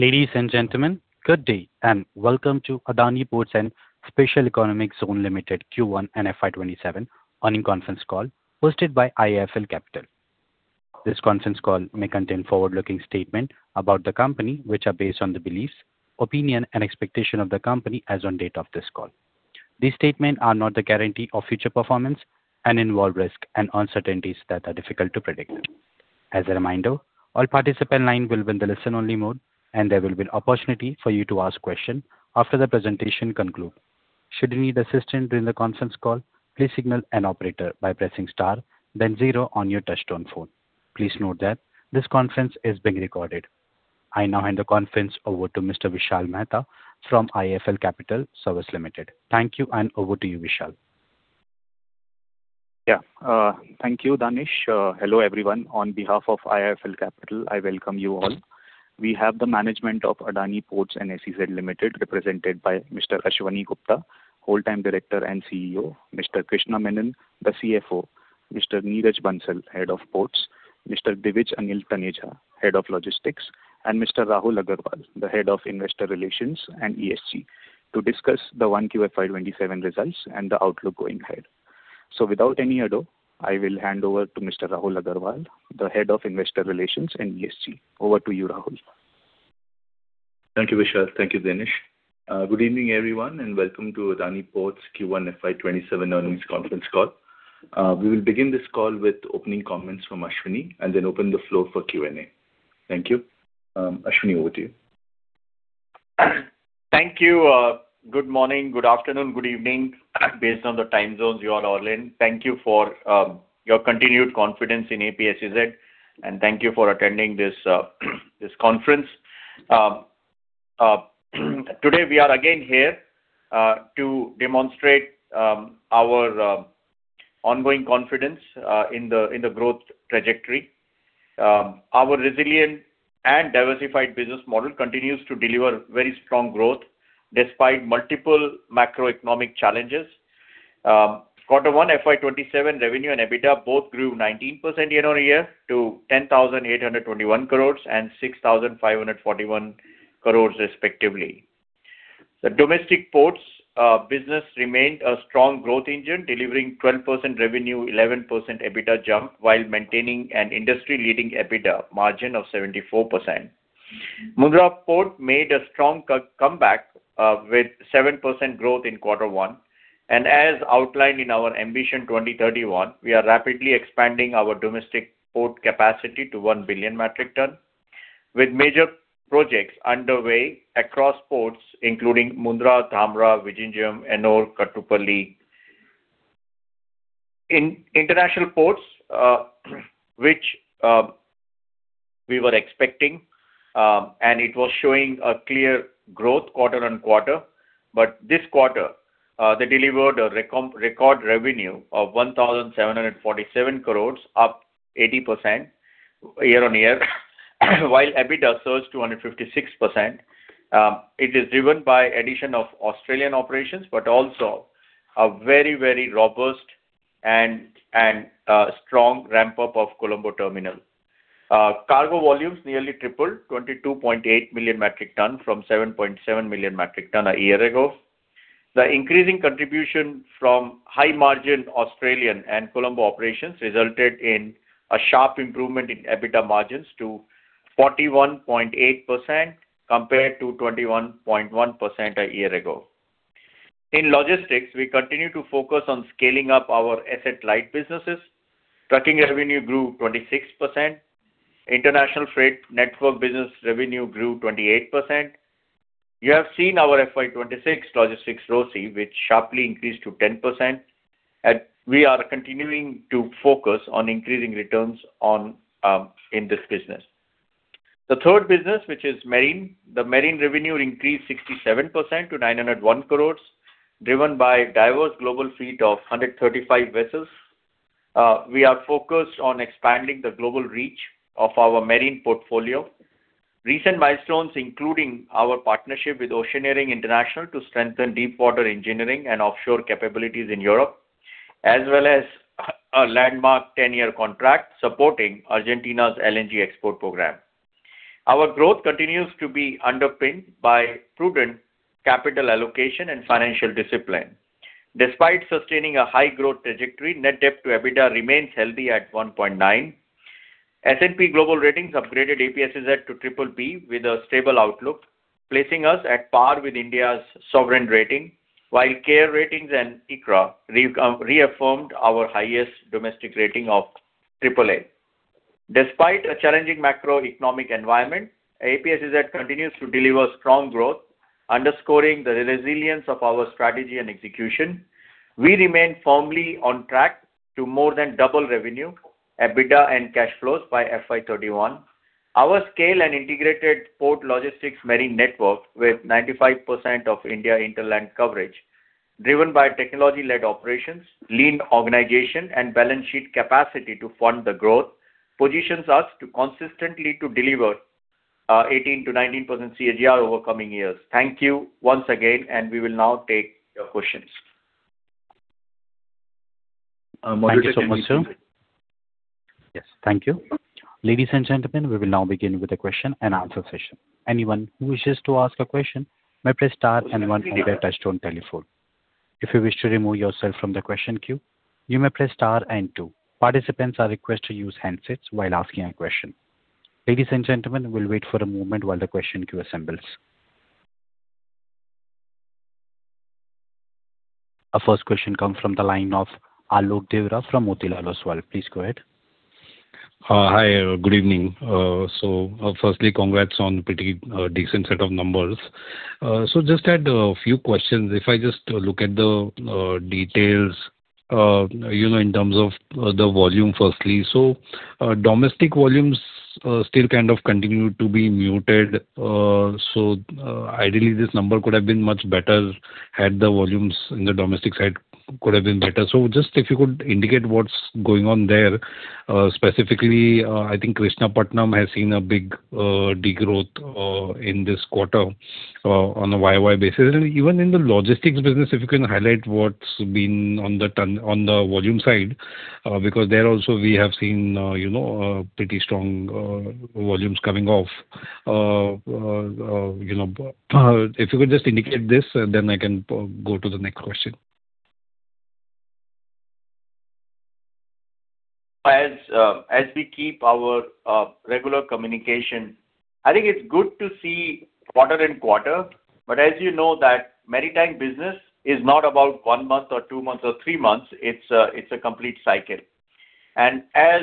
Ladies and gentlemen, good day and welcome to Adani Ports and Special Economic Zone Limited Q1 and FY 2027 earnings conference call hosted by IIFL Capital. This conference call may contain forward-looking statements about the company, which are based on the beliefs, opinion, and expectation of the company as on date of this call. These statements are not the guarantee of future performance and involve risks and uncertainties that are difficult to predict. As a reminder, all participant lines will be in the listen-only mode, and there will be an opportunity for you to ask questions after the presentation concludes. Should you need assistance during the conference call, please signal an operator by pressing star then zero on your touch-tone phone. Please note that this conference is being recorded. I now hand the conference over to Mr. Vishal Mehta from IIFL Capital Services Limited. Thank you, and over to you, Vishal. Yeah. Thank you, Danish. Hello, everyone. On behalf of IIFL Capital, I welcome you all. We have the management of Adani Ports and SEZ Limited, represented by Mr. Ashwani Gupta, Whole-Time Director and CEO, Mr. Krishna Menon, the CFO, Mr. Neeraj Bansal, Head of Ports, Mr. Divij Anil Taneja, Head of Logistics, and Mr. Rahul Agarwal, the Head of Investor Relations and ESG, to discuss the Q1 FY 2027 results and the outlook going ahead. I will hand over to Mr. Rahul Agarwal, the Head of Investor Relations and ESG. Over to you, Rahul. Thank you, Vishal. Thank you, Danish. Good evening, everyone, and welcome to Adani Ports Q1 FY 2027 earnings conference call. We will begin this call with opening comments from Ashwani and then open the floor for Q&A. Thank you. Ashwani, over to you. Thank you. Good morning, good afternoon, good evening, based on the time zones you are all in. Thank you for your continued confidence in APSEZ, and thank you for attending this conference. Today, we are again here to demonstrate our ongoing confidence in the growth trajectory. Our resilient and diversified business model continues to deliver very strong growth despite multiple macroeconomic challenges. Quarter one FY 2027 revenue and EBITDA both grew 19% year-on-year to 10,821 crore and 6,541 crore respectively. The domestic ports business remained a strong growth engine, delivering 12% revenue, 11% EBITDA jump, while maintaining an industry-leading EBITDA margin of 74%. Mundra Port made a strong comeback with 7% growth in quarter one. As outlined in our Ambition 2031, we are rapidly expanding our domestic port capacity to 1 billion metric tons, with major projects underway across ports including Mundra, Dhamra, Vizhinjam, Ennore, Kattupalli. In international ports, which we were expecting, and it was showing a clear growth quarter-on-quarter. This quarter, they delivered a record revenue of 1,747 crore up 80% year-on-year, while EBITDA surged to 156%. It is driven by addition of Australian operations, but also a very, very robust and strong ramp-up of Colombo terminal. Cargo volumes nearly tripled, 22.8 million metric tons from 7.7 million metric tons a year ago. The increasing contribution from high-margin Australian and Colombo operations resulted in a sharp improvement in EBITDA margins to 41.8%, compared to 21.1% a year ago. In logistics, we continue to focus on scaling up our asset-light businesses. Trucking revenue grew 26%. International freight network business revenue grew 28%. You have seen our FY 2026 logistics ROCE, which sharply increased to 10%. We are continuing to focus on increasing returns in this business. The third business, which is marine. The marine revenue increased 67% to 901 crore, driven by a diverse global fleet of 135 vessels. We are focused on expanding the global reach of our marine portfolio. Recent milestones including our partnership with Oceaneering International to strengthen deepwater engineering and offshore capabilities in Europe, as well as a landmark 10-year contract supporting Argentina's LNG export program. Our growth continues to be underpinned by prudent capital allocation and financial discipline. Despite sustaining a high growth trajectory, net debt to EBITDA remains healthy at 1.9. S&P Global Ratings upgraded APSEZ to triple B with a stable outlook, placing us at par with India's sovereign rating, while CARE Ratings and ICRA reaffirmed our highest domestic rating of triple A. Despite a challenging macroeconomic environment, APSEZ continues to deliver strong growth, underscoring the resilience of our strategy and execution. We remain firmly on track to more than double revenue, EBITDA, and cash flows by FY 2031. Our scale and integrated port logistics marine network, with 95% of India hinterland coverage, driven by technology-led operations, lean organization, and balance sheet capacity to fund the growth, positions us to consistently deliver 18%-19% CAGR over coming years. Thank you once again. We will now take your questions. Thank you so much, sir. Yes. Thank you. Ladies and gentlemen, we will now begin with the question-and-answer session. Anyone who wishes to ask a question may press star and one on their touch-tone telephone. If you wish to remove yourself from the question queue, you may press star and two. Participants are requested to use handsets while asking a question. Ladies and gentlemen, we'll wait for a moment while the question queue assembles. Our first question comes from the line of Alok Deora from Motilal Oswal. Please go ahead. Hi. Good evening. Firstly, congrats on a pretty decent set of numbers. Just had a few questions. If I just look at the details, in terms of the volume, firstly. Domestic volumes still kind of continue to be muted. Ideally this number could have been much better had the volumes in the domestic side could have been better. Just if you could indicate what's going on there. Specifically, I think Krishnapatnam has seen a big degrowth in this quarter on a YY basis. Even in the logistics business, if you can highlight what's been on the volume side, because there also we have seen pretty strong volumes coming off. If you could just indicate this, I can go to the next question. As we keep our regular communication, I think it's good to see quarter and quarter, as you know, that maritime business is not about one month or two months or three months. It's a complete cycle. As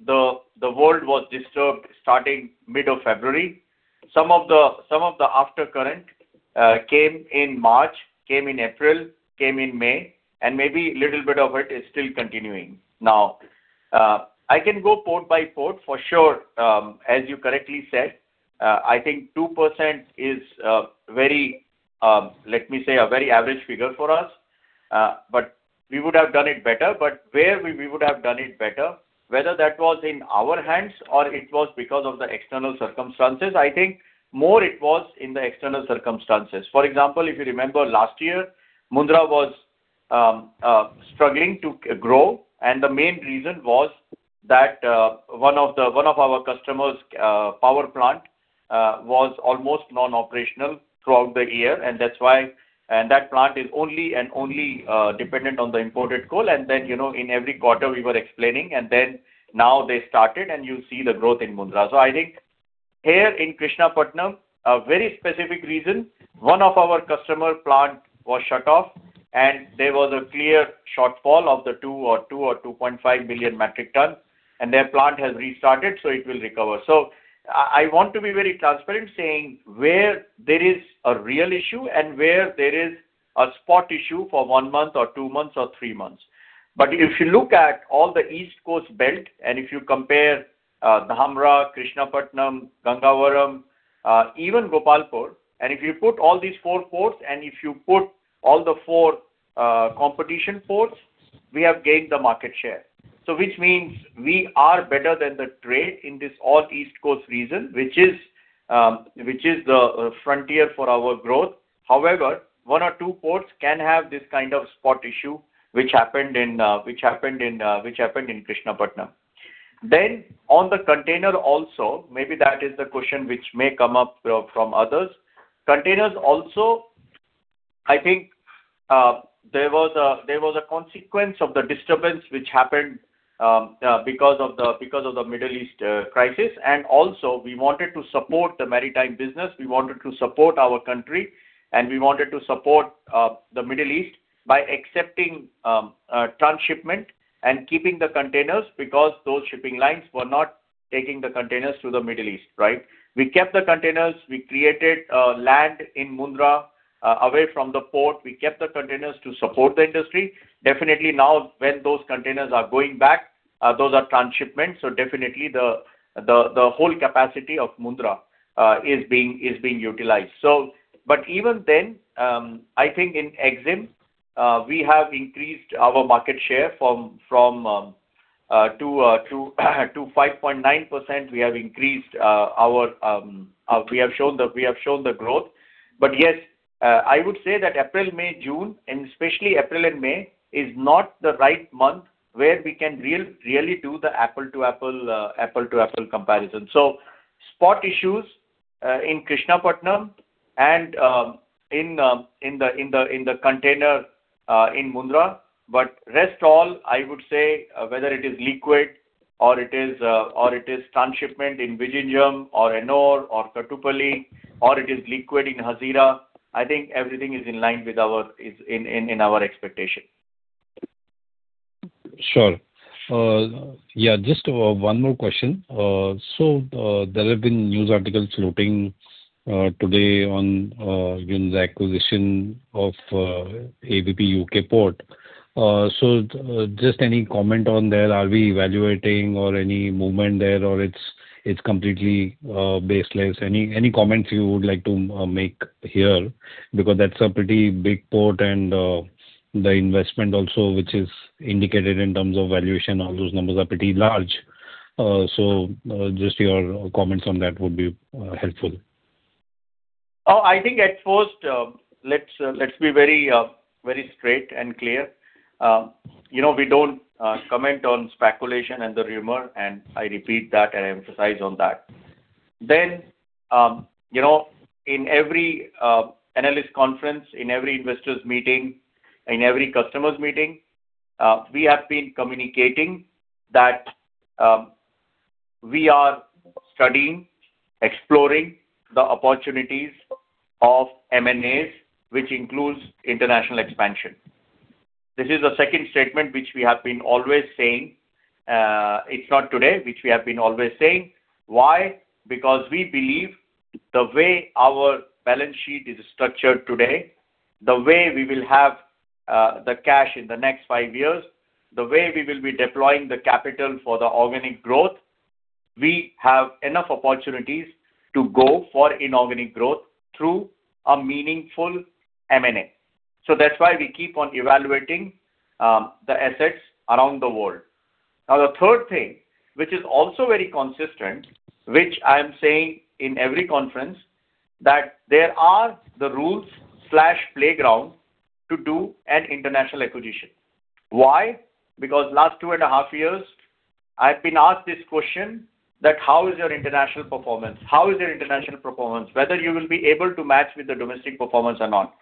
the world was disturbed starting mid of February, some of the after current came in March, came in April, came in May, and maybe a little bit of it is still continuing. I can go port by port for sure. As you correctly said, I think 2% is, let me say, a very average figure for us. We would have done it better. Where we would have done it better, whether that was in our hands or it was because of the external circumstances, I think more it was in the external circumstances. For example, if you remember last year, Mundra was struggling to grow, the main reason was that one of our customer's power plant was almost non-operational throughout the year. That plant is only and only dependent on the imported coal. In every quarter we were explaining, now they started and you see the growth in Mundra. I think here in Krishnapatnam, a very specific reason, one of our customer plant was shut off and there was a clear shortfall of the 2 or 2.5 million metric ton, and their plant has restarted, so it will recover. I want to be very transparent saying where there is a real issue and where there is a spot issue for one month or two months or three months. If you look at all the East Coast belt and if you compare Dhamra, Krishnapatnam, Gangavaram, even Gopalpur, and if you put all these four ports and if you put all the four competition ports, we have gained the market share. Which means we are better than the trade in this all East Coast region, which is the frontier for our growth. However, one or two ports can have this kind of spot issue, which happened in Krishnapatnam. On the container also, maybe that is the question which may come up from others. Containers also, I think there was a consequence of the disturbance which happened because of the Middle East crisis, and also we wanted to support the maritime business. We wanted to support our country, we wanted to support the Middle East by accepting transshipment and keeping the containers because those shipping lines were not taking the containers to the Middle East. Right. We kept the containers. We created land in Mundra away from the port. We kept the containers to support the industry. Definitely now when those containers are going back, those are transshipments. Definitely the whole capacity of Mundra is being utilized. Even then, I think in exim, we have increased our market share to 5.9%. We have shown the growth. Yes, I would say that April, May, June, and especially April and May, is not the right month where we can really do the apple to apple comparison. Spot issues in Krishnapatnam and in the container in Mundra. Rest all, I would say, whether it is liquid or it is transshipment in Vizhinjam or Ennore or Tuticorin, or it is liquid in Hazira, I think everything is in line with our expectation. Sure. Just one more question. There have been news articles floating today on the acquisition of Associated British Ports. Just any comment on there, are we evaluating or any movement there or it's completely baseless? Any comments you would like to make here? That's a pretty big port and the investment also, which is indicated in terms of valuation, all those numbers are pretty large. Just your comments on that would be helpful. Oh, I think at first, let's be very straight and clear. We don't comment on speculation and the rumor, I repeat that and emphasize on that. In every analyst conference, in every investors meeting, in every customers meeting, we have been communicating that we are studying, exploring the opportunities of M&As, which includes international expansion. This is the second statement, which we have been always saying. It's not today, which we have been always saying. Why? We believe the way our balance sheet is structured today, the way we will have the cash in the next five years, the way we will be deploying the capital for the organic growth, we have enough opportunities to go for inorganic growth through a meaningful M&A. That's why we keep on evaluating the assets around the world. The third thing, which is also very consistent, which I am saying in every conference, that there are the rules/playground to do an international acquisition. Why? Because last two and a half years, I have been asked this question that, "How is your international performance? How is your international performance? Whether you will be able to match with the domestic performance or not?"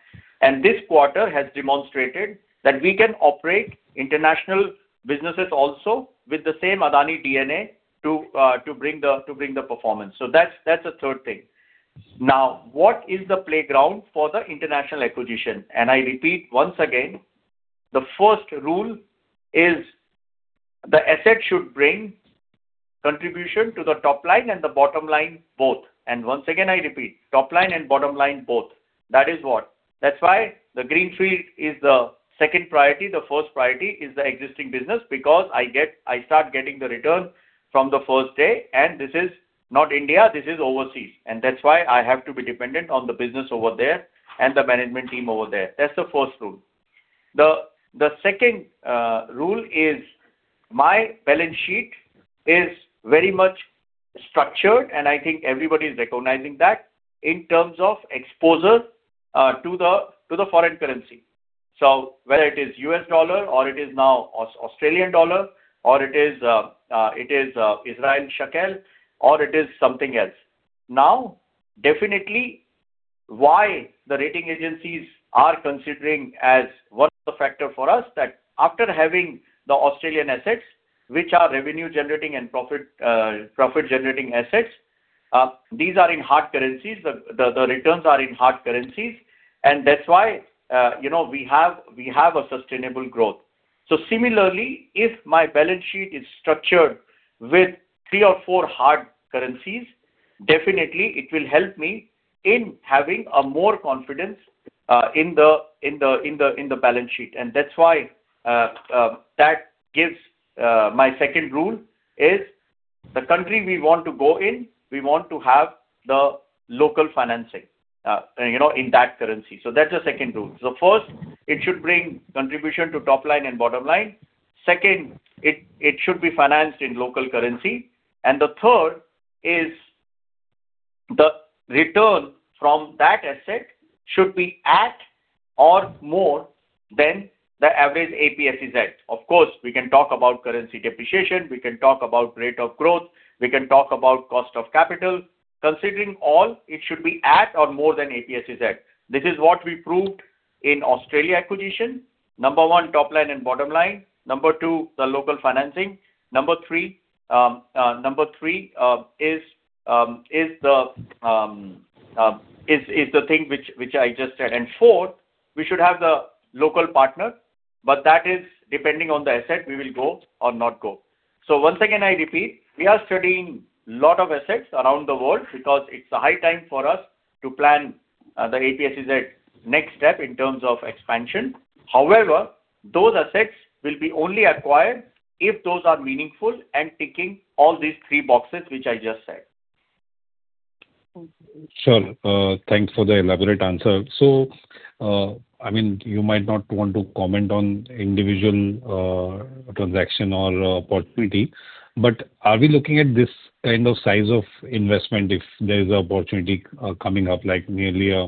This quarter has demonstrated that we can operate international businesses also with the same Adani DNA to bring the performance. That is the third thing. What is the playground for the international acquisition? I repeat once again, the first rule is the asset should bring contribution to the top line and the bottom line both. Once again, I repeat. Top line and bottom line both. That is what. That's why the greenfield is the second priority. The first priority is the existing business because I start getting the return from the first day, and this is not India, this is overseas. That's why I have to be dependent on the business over there and the management team over there. That's the first rule. The second rule is my balance sheet is very much structured, and I think everybody's recognizing that in terms of exposure to the foreign currency. So whether it is U.S. dollar or it is now Australian dollar or it is Israeli shekel or it is something else. Definitely, why the rating agencies are considering as what is the factor for us that after having the Australian assets, which are revenue generating and profit generating assets, these are in hard currencies. The returns are in hard currencies, and that's why we have a sustainable growth. Similarly, if my balance sheet is structured with three or four hard currencies, definitely it will help me in having a more confidence in the balance sheet. That's why that gives my second rule is the country we want to go in, we want to have the local financing in that currency. That's the second rule. First, it should bring contribution to top line and bottom line. Second, it should be financed in local currency. The third is the return from that asset should be at or more than the average APSEZ. Of course, we can talk about currency depreciation, we can talk about rate of growth, we can talk about cost of capital. Considering all, it should be at or more than APSEZ. This is what we proved in Australia acquisition. Number one, top line and bottom line. Number two, the local financing. Number three is the thing which I just said. Fourth, we should have the local partner, but that is depending on the asset we will go or not go. Once again, I repeat, we are studying lot of assets around the world because it's a high time for us to plan the APSEZ next step in terms of expansion. However, those assets will be only acquired if those are meaningful and ticking all these three boxes, which I just said. Sure. Thanks for the elaborate answer. You might not want to comment on individual transaction or opportunity, but are we looking at this kind of size of investment if there is an opportunity coming up, like nearly a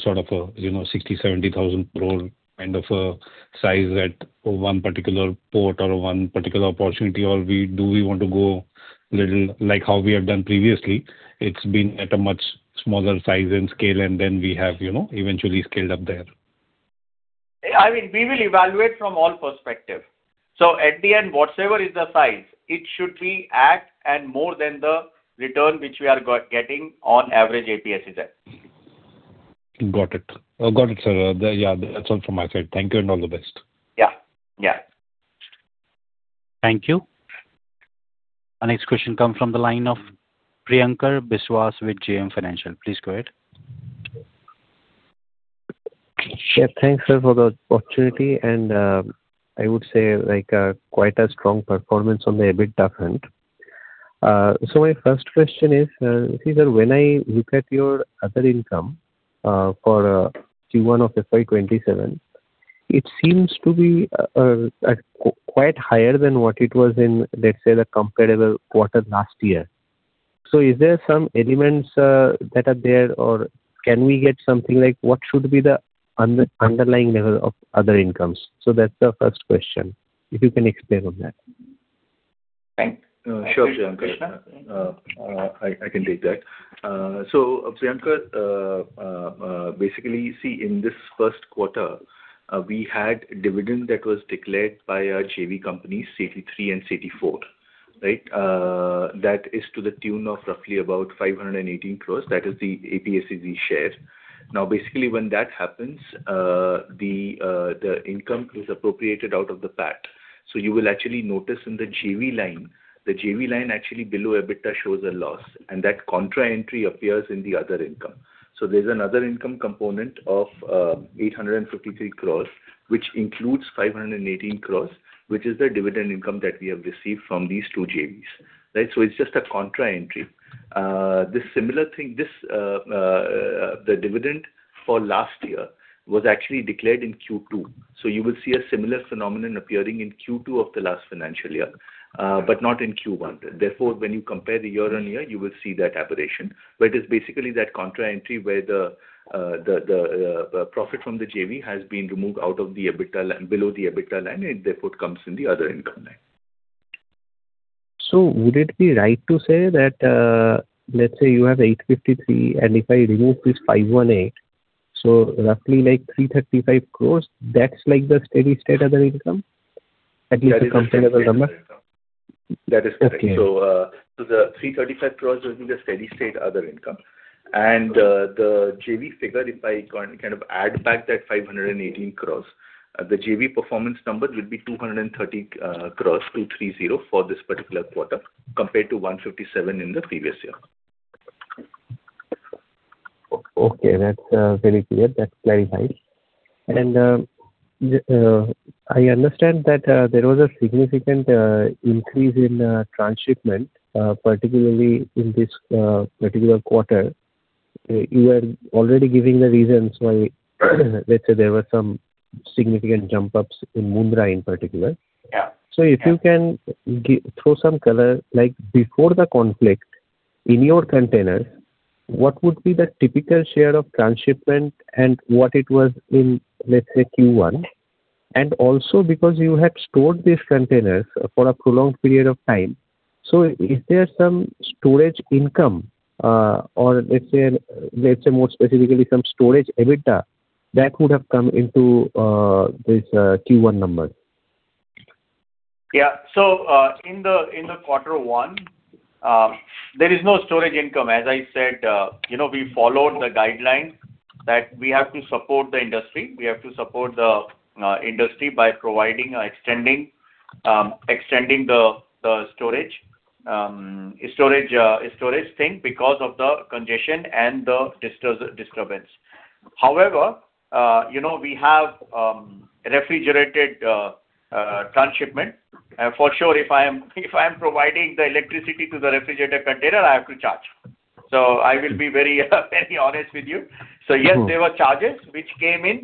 sort of 60,000 crore- 70,000 crore kind of a size at one particular port or one particular opportunity, or do we want to go little like how we have done previously? It's been at a much smaller size and scale, and then we have eventually scaled up there. We will evaluate from all perspective. At the end, whatsoever is the size, it should be at and more than the return which we are getting on average APSEZ. Got it. Got it, sir. Yeah. That's all from my side. Thank you and all the best. Yeah. Thank you. Our next question come from the line of Priyankar Biswas with JM Financial. Please go ahead. Yeah. Thanks, sir, for the opportunity. I would say, quite a strong performance on the EBITDA front. My first question is, see that when I look at your other income for Q1 of FY 2027. It seems to be quite higher than what it was in, let's say, the comparable quarter last year. Is there some elements that are there, or can we get something like what should be the underlying level of other incomes? That's the first question, if you can explain on that. Thanks. Sure, Priyankar. Krishna. I can take that. Priyankar, basically, you see in this first quarter, we had dividend that was declared by our JV companies, CT3 and CT4. That is to the tune of roughly about 518 crore. That is the APSEZ share. Basically, when that happens, the income is appropriated out of the PAT. You will actually notice in the JV line, the JV line actually below EBITDA shows a loss, and that contra entry appears in the other income. There's another income component of 853 crore, which includes 518 crore, which is the dividend income that we have received from these two JVs. It's just a contra entry. The dividend for last year was actually declared in Q2. You will see a similar phenomenon appearing in Q2 of the last financial year, but not in Q1. Therefore, when you compare the year-over-year, you will see that aberration, where it is basically that contra entry where the profit from the JV has been removed out below the EBITDA line, and therefore, it comes in the other income line. Would it be right to say that, let's say you have 853, and if I remove this 518, roughly 335 crore, that's like the steady state of the income? At least the comparable number. That is correct. The 335 crore will be the steady state other income. The JV figure, if I kind of add back that 518 crore, the JV performance number will be 230 crore, two three zero, for this particular quarter, compared to 157 in the previous year. Okay, that's very clear. That clarifies. I understand that there was a significant increase in transshipment, particularly in this particular quarter. You were already giving the reasons why, let's say there were some significant jump ups in Mundra in particular. Yeah. If you can throw some color, like before the conflict in your container, what would be the typical share of transshipment and what it was in, let's say, Q1? Also because you had stored these containers for a prolonged period of time, is there some storage income, or let's say more specifically some storage EBITDA that would have come into this Q1 number? Yeah. In the quarter one, there is no storage income. As I said, we followed the guidelines that we have to support the industry. We have to support the industry by providing or extending the storage thing because of the congestion and the disturbance. However, we have refrigerated transshipment. For sure, if I am providing the electricity to the refrigerated container, I have to charge. I will be very honest with you. Yes, there were charges which came in.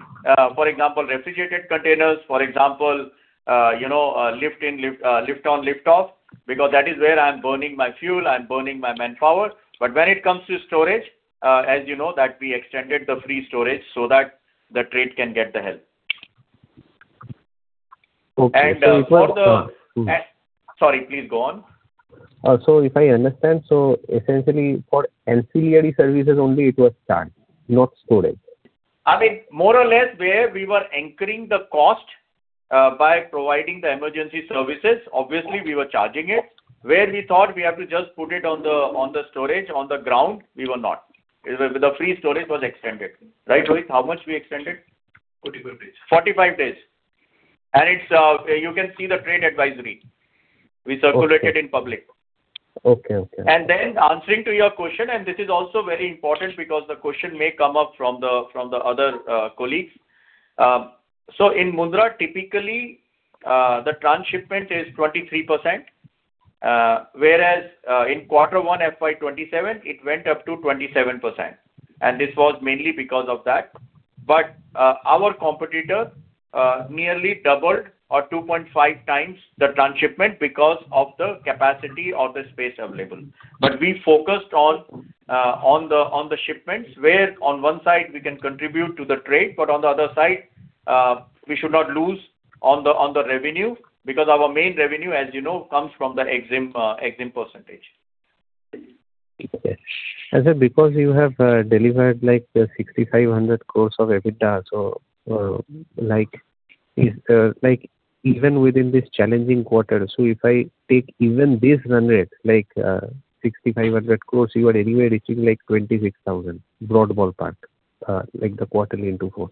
For example, refrigerated containers, for example lift-on, lift-off, because that is where I'm burning my fuel, I'm burning my manpower. When it comes to storage, as you know that we extended the free storage so that the trade can get the help. Okay. If I- Sorry, please go on. If I understand, essentially for ancillary services only it was charged, not storage. More or less where we were anchoring the cost by providing the emergency services, obviously we were charging it. Where we thought we have to just put it on the storage on the ground, we were not. The free storage was extended. Right, Rohit? How much we extended? 45 days. 45 days. You can see the trade advisory. We circulated in public. Okay. Answering to your question, and this is also very important because the question may come up from the other colleagues. In Mundra, typically, the transshipment is 23%, whereas in quarter one FY 2027, it went up to 27%. This was mainly because of that. Our competitor nearly doubled or 2.5x the transshipment because of the capacity or the space available. We focused on the shipments where on one side we can contribute to the trade, but on the other side, we should not lose on the revenue because our main revenue, as you know, comes from the exim percentage. Sir, because you have delivered the 6,500 crore of EBITDA, even within this challenging quarter, if I take even this run rate, like 6,500 crore, you are anyway reaching 26,000 broad ballpark, the quarterly into four.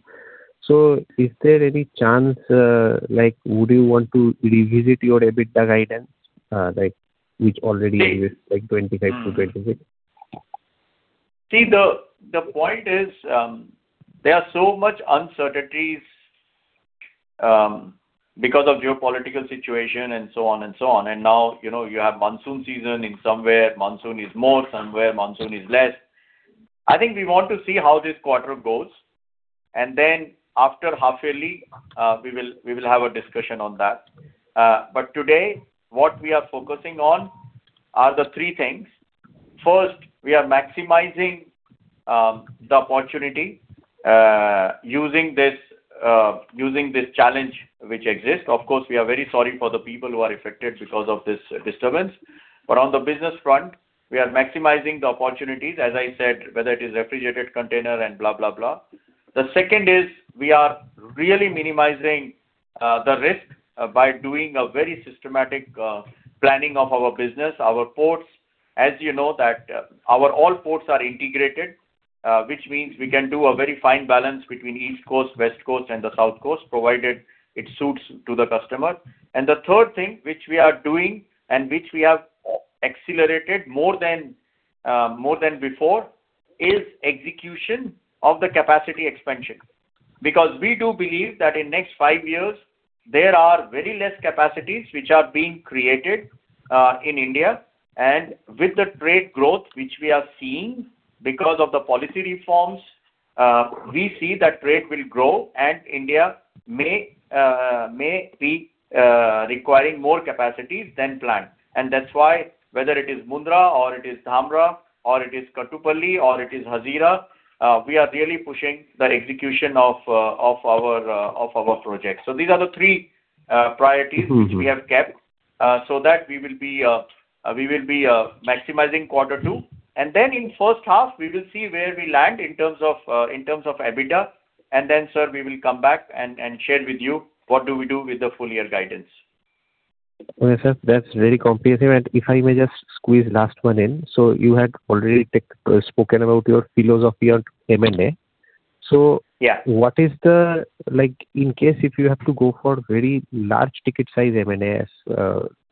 Is there any chance, would you want to revisit your EBITDA guidance, which already is 25-26? The point is, there are so much uncertainties because of geopolitical situation and so on. Now you have monsoon season in somewhere. Monsoon is more, somewhere monsoon is less. I think we want to see how this quarter goes, after half yearly, we will have a discussion on that. Today, what we are focusing on are the three things. First, we are maximizing the opportunity using this challenge which exists. Of course, we are very sorry for the people who are affected because of this disturbance. On the business front, we are maximizing the opportunities, as I said, whether it is refrigerated container and blah, blah. The second is we are really minimizing the risk by doing a very systematic planning of our business, our ports. As you know, our all ports are integrated, which means we can do a very fine balance between East Coast, West Coast, and the South Coast, provided it suits to the customer. The third thing, which we are doing and which we have accelerated more than before, is execution of the capacity expansion. We do believe that in next five years, there are very less capacities which are being created in India. With the trade growth which we are seeing because of the policy reforms, we see that trade will grow and India may be requiring more capacities than planned. That's why, whether it is Mundra or it is Dhamra or it is Kattupalli or it is Hazira, we are really pushing the execution of our projects. These are the three priorities which we have kept, so that we will be maximizing quarter two. In first half, we will see where we land in terms of EBITDA. Sir, we will come back and share with you what do we do with the full year guidance. Okay, sir. That's very comprehensive. If I may just squeeze last one in. You had already spoken about your philosophy on M&A. Yeah What is the, in case if you have to go for very large ticket size M&As,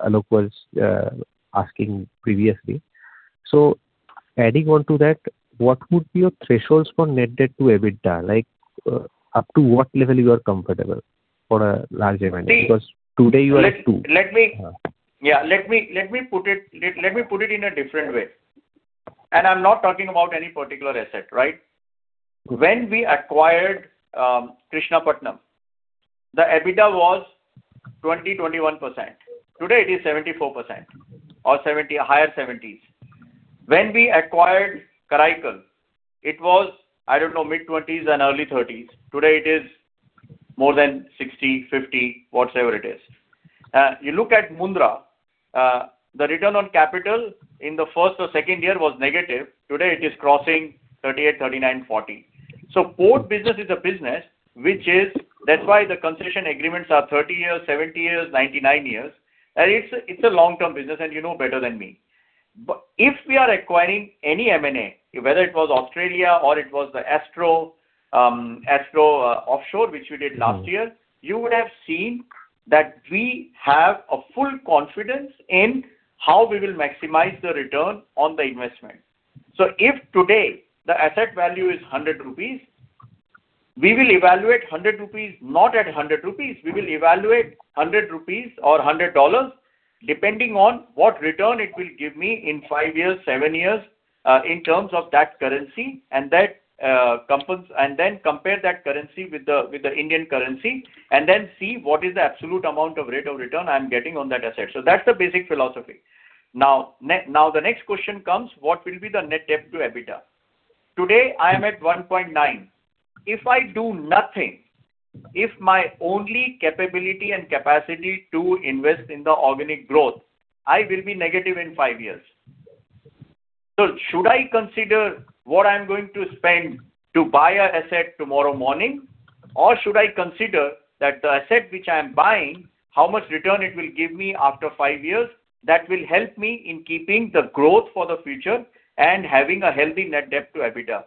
Alok was asking previously. Adding on to that, what would be your thresholds for net debt to EBITDA? Up to what level you are comfortable for a large M&A? Because today you are at two. Yeah. Let me put it in a different way. I'm not talking about any particular asset, right? When we acquired Krishnapatnam, the EBITDA was 20%, 21%. Today it is 74% or higher 70s. When we acquired Karaikal, it was, I don't know, mid-20s and early 30s. Today it is more than 60, 50, whatsoever it is. You look at Mundra. The return on capital in the first or second year was negative. Today it is crossing 38, 39, 40. Port business is a business, which is That's why the concession agreements are 30 years, 70 years, 99 years. It's a long-term business, and you know better than me. If we are acquiring any M&A, whether it was Australia or it was the Astro Offshore, which we did last year. You would have seen that we have full confidence in how we will maximize the return on the investment. If today the asset value is 100 rupees, we will evaluate 100 rupees not at 100 rupees. We will evaluate 100 rupees or $100 depending on what return it will give me in five years, seven years, in terms of that currency, and then compare that currency with the Indian currency, and then see what is the absolute amount of rate of return I am getting on that asset. That's the basic philosophy. The next question comes, what will be the net debt to EBITDA? Today, I am at 1.9. If I do nothing, if my only capability and capacity to invest in the organic growth, I will be negative in five years. Should I consider what I am going to spend to buy an asset tomorrow morning, or should I consider that the asset which I am buying, how much return it will give me after five years that will help me in keeping the growth for the future and having a healthy net debt to EBITDA?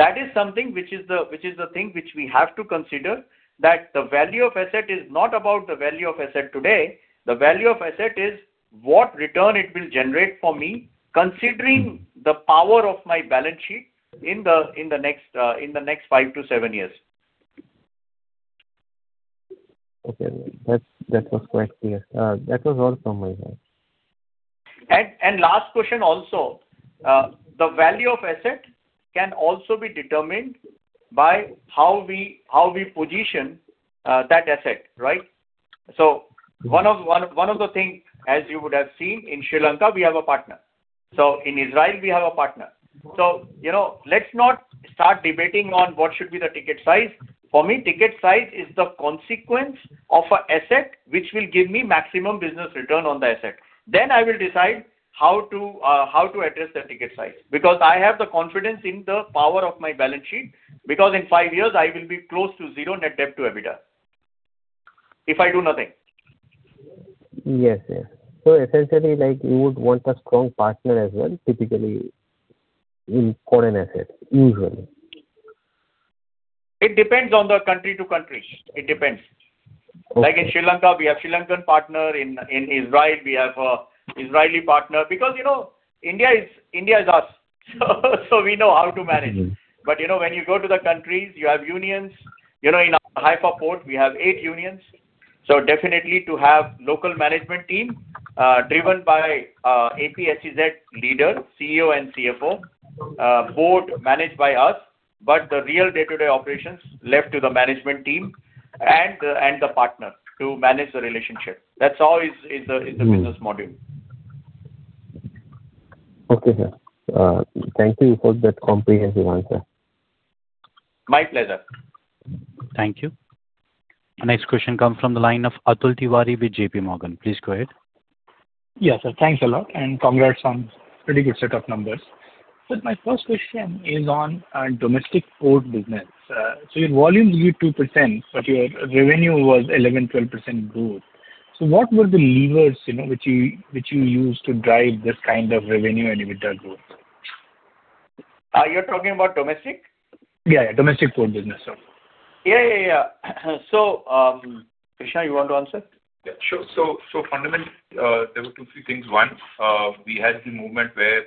That is something which is the thing which we have to consider, that the value of asset is not about the value of asset today. The value of asset is what return it will generate for me, considering the power of my balance sheet in the next five-seven years. That was quite clear. That was all from my side. Last question also. The value of asset can also be determined by how we position that asset, right? One of the thing, as you would have seen, in Sri Lanka, we have a partner. In Israel, we have a partner. Let's not start debating on what should be the ticket size. For me, ticket size is the consequence of an asset which will give me maximum business return on the asset. Then I will decide how to address the ticket size, because I have the confidence in the power of my balance sheet. Because in five years, I will be close to zero net debt to EBITDA, if I do nothing. Yes. Essentially, you would want a strong partner as well, typically in foreign assets, usually. It depends on the country to country. It depends. Okay. In Sri Lanka, we have Sri Lankan partner. In Israel, we have an Israeli partner. India is us, we know how to manage. When you go to the countries, you have unions. In Haifa Port, we have eight unions. Definitely to have local management team driven by APSEZ leader, CEO, and CFO. Board managed by us, but the real day-to-day operations left to the management team and the partner to manage the relationship. That is all is the business model. Okay, sir. Thank you for that comprehensive answer. My pleasure. Thank you. Our next question comes from the line of Atul Tiwari with JPMorgan. Please go ahead. Yes, sir. Thanks a lot, congrats on pretty good set of numbers. My first question is on domestic port business. Your volume grew 2%, but your revenue was 11%-12% growth. What were the levers which you used to drive this kind of revenue and EBITDA growth? You're talking about domestic? Yeah. Domestic port business. Sorry. Yeah. Krishna, you want to answer? Yeah, sure. Fundamentally, there were two, three things. One, we had the movement where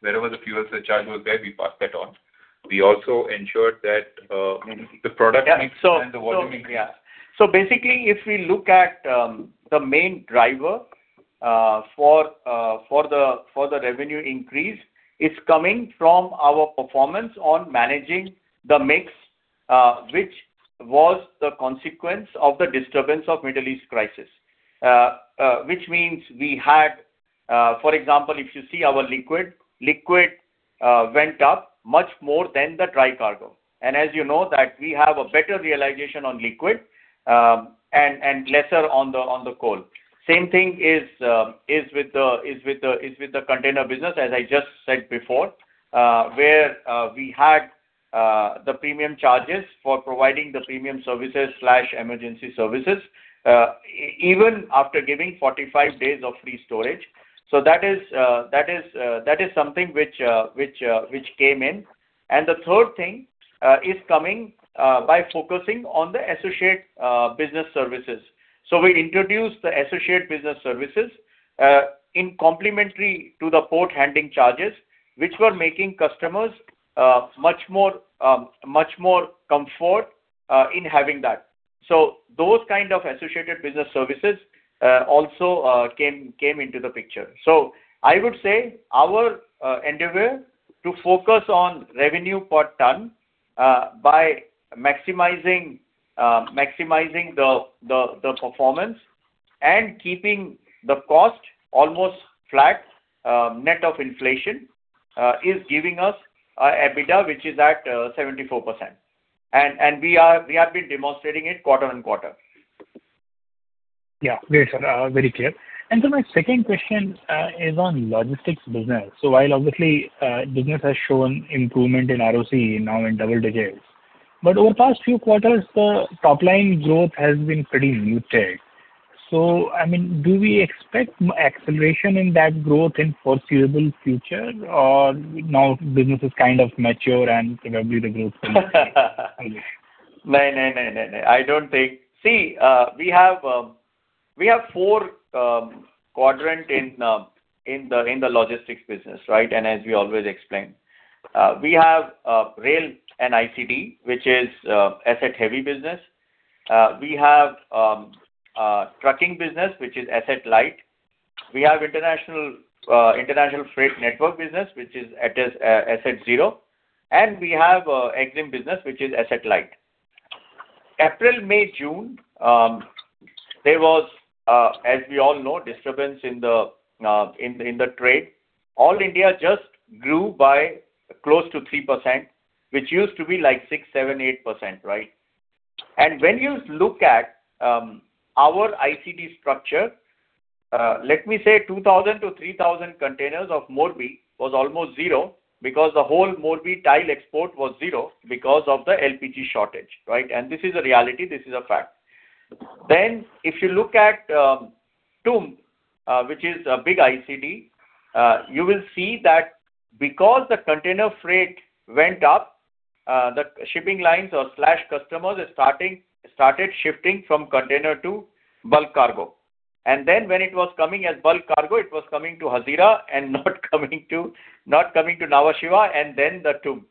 wherever the fuel surcharge was there, we passed that on. We also ensured that the product mix and the volume increased. Basically, if we look at the main driver for the revenue increase, it is coming from our performance on managing the mix, which was the consequence of the disturbance of Middle East crisis. If you see our liquid went up much more than the dry cargo. As you know that we have a better realization on liquid, and lesser on the coal. Same thing is with the container business, as I just said before, where we had the premium charges for providing the premium services/emergency services, even after giving 45 days of free storage. That is something which came in. The third thing is coming by focusing on the associate business services. We introduced the associate business services in complementary to the port handling charges, which were making customers much more comfort in having that. Those kind of associated business services also came into the picture. I would say our endeavor to focus on revenue per ton by maximizing the performance and keeping the cost almost flat net of inflation, is giving us EBITDA, which is at 74%. We have been demonstrating it quarter on quarter. Yeah. Great, sir. Very clear. My second question is on logistics business. While obviously business has shown improvement in ROCE now in double digits. Over the past few quarters, the top-line growth has been pretty muted. Do we expect acceleration in that growth in foreseeable future or now business is kind of mature and probably the growth will be- No. See, we have four quadrant in the logistics business, as we always explain. We have rail and ICD, which is asset-heavy business. We have trucking business, which is asset light. We have international freight network business, which is asset zero. We have exim business, which is asset light. April, May, June, there was, as we all know, disturbance in the trade. All India just grew by close to 3%, which used to be like 6%, 7%, 8%. When you look at our ICD structure, let me say 2,000-3,000 containers of Morbi was almost zero because the whole Morbi tile export was zero because of the LPG shortage. This is a reality, this is a fact. If you look at Tumb, which is a big ICD, you will see that because the container freight went up, the shipping lines/customers started shifting from container to bulk cargo. When it was coming as bulk cargo, it was coming to Hazira and not coming to Nhava Sheva and then the Tumb.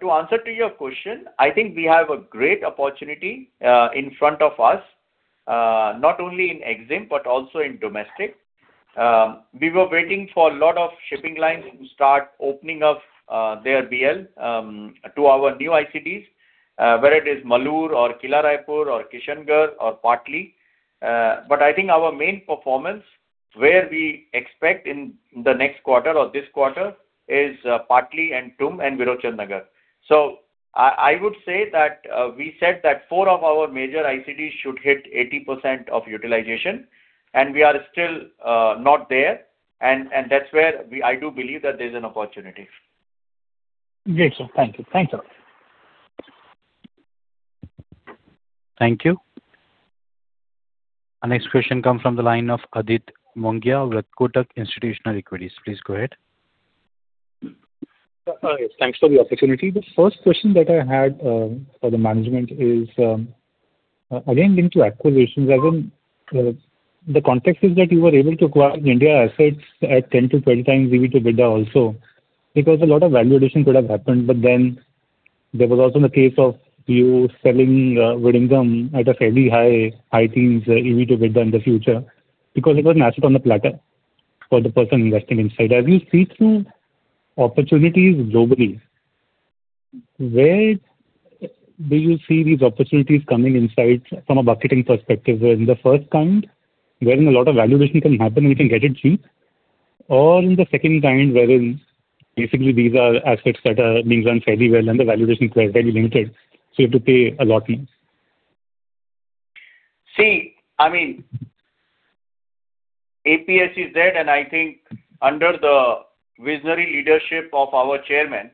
To answer to your question, I think we have a great opportunity in front of us, not only in exim but also in domestic. We were waiting for a lot of shipping lines to start opening up their BL to our new ICDs, whether it is Malur or Kila Raipur or Kishangarh or Patli. I think our main performance where we expect in the next quarter or this quarter is Patli and Tumb and Virochannagar. I would say that we said that four of our major ICDs should hit 80% of utilization, and we are still not there. That's where I do believe that there's an opportunity. Great, sir. Thank you. Thank you. Our next question comes from the line of Adit Mongia with Kotak Institutional Equities. Please go ahead. Thanks for the opportunity. The first question that I had for the management is, again into acquisitions. The context is that you were able to acquire India assets at 10x-20x EBITDA also because a lot of value addition could have happened, but there was also the case of you selling Gangavaram at a fairly high EV to EBITDA in the future, because it was an asset on the platter for the person investing inside. As you see through opportunities globally, where do you see these opportunities coming inside from a marketing perspective, wherein the first kind, wherein a lot of valuation can happen and you can get it cheap. In the second kind, wherein these are assets that are being run fairly well and the valuations were very limited, so you have to pay a lot more. See, APSEZ, and I think under the visionary leadership of our chairman,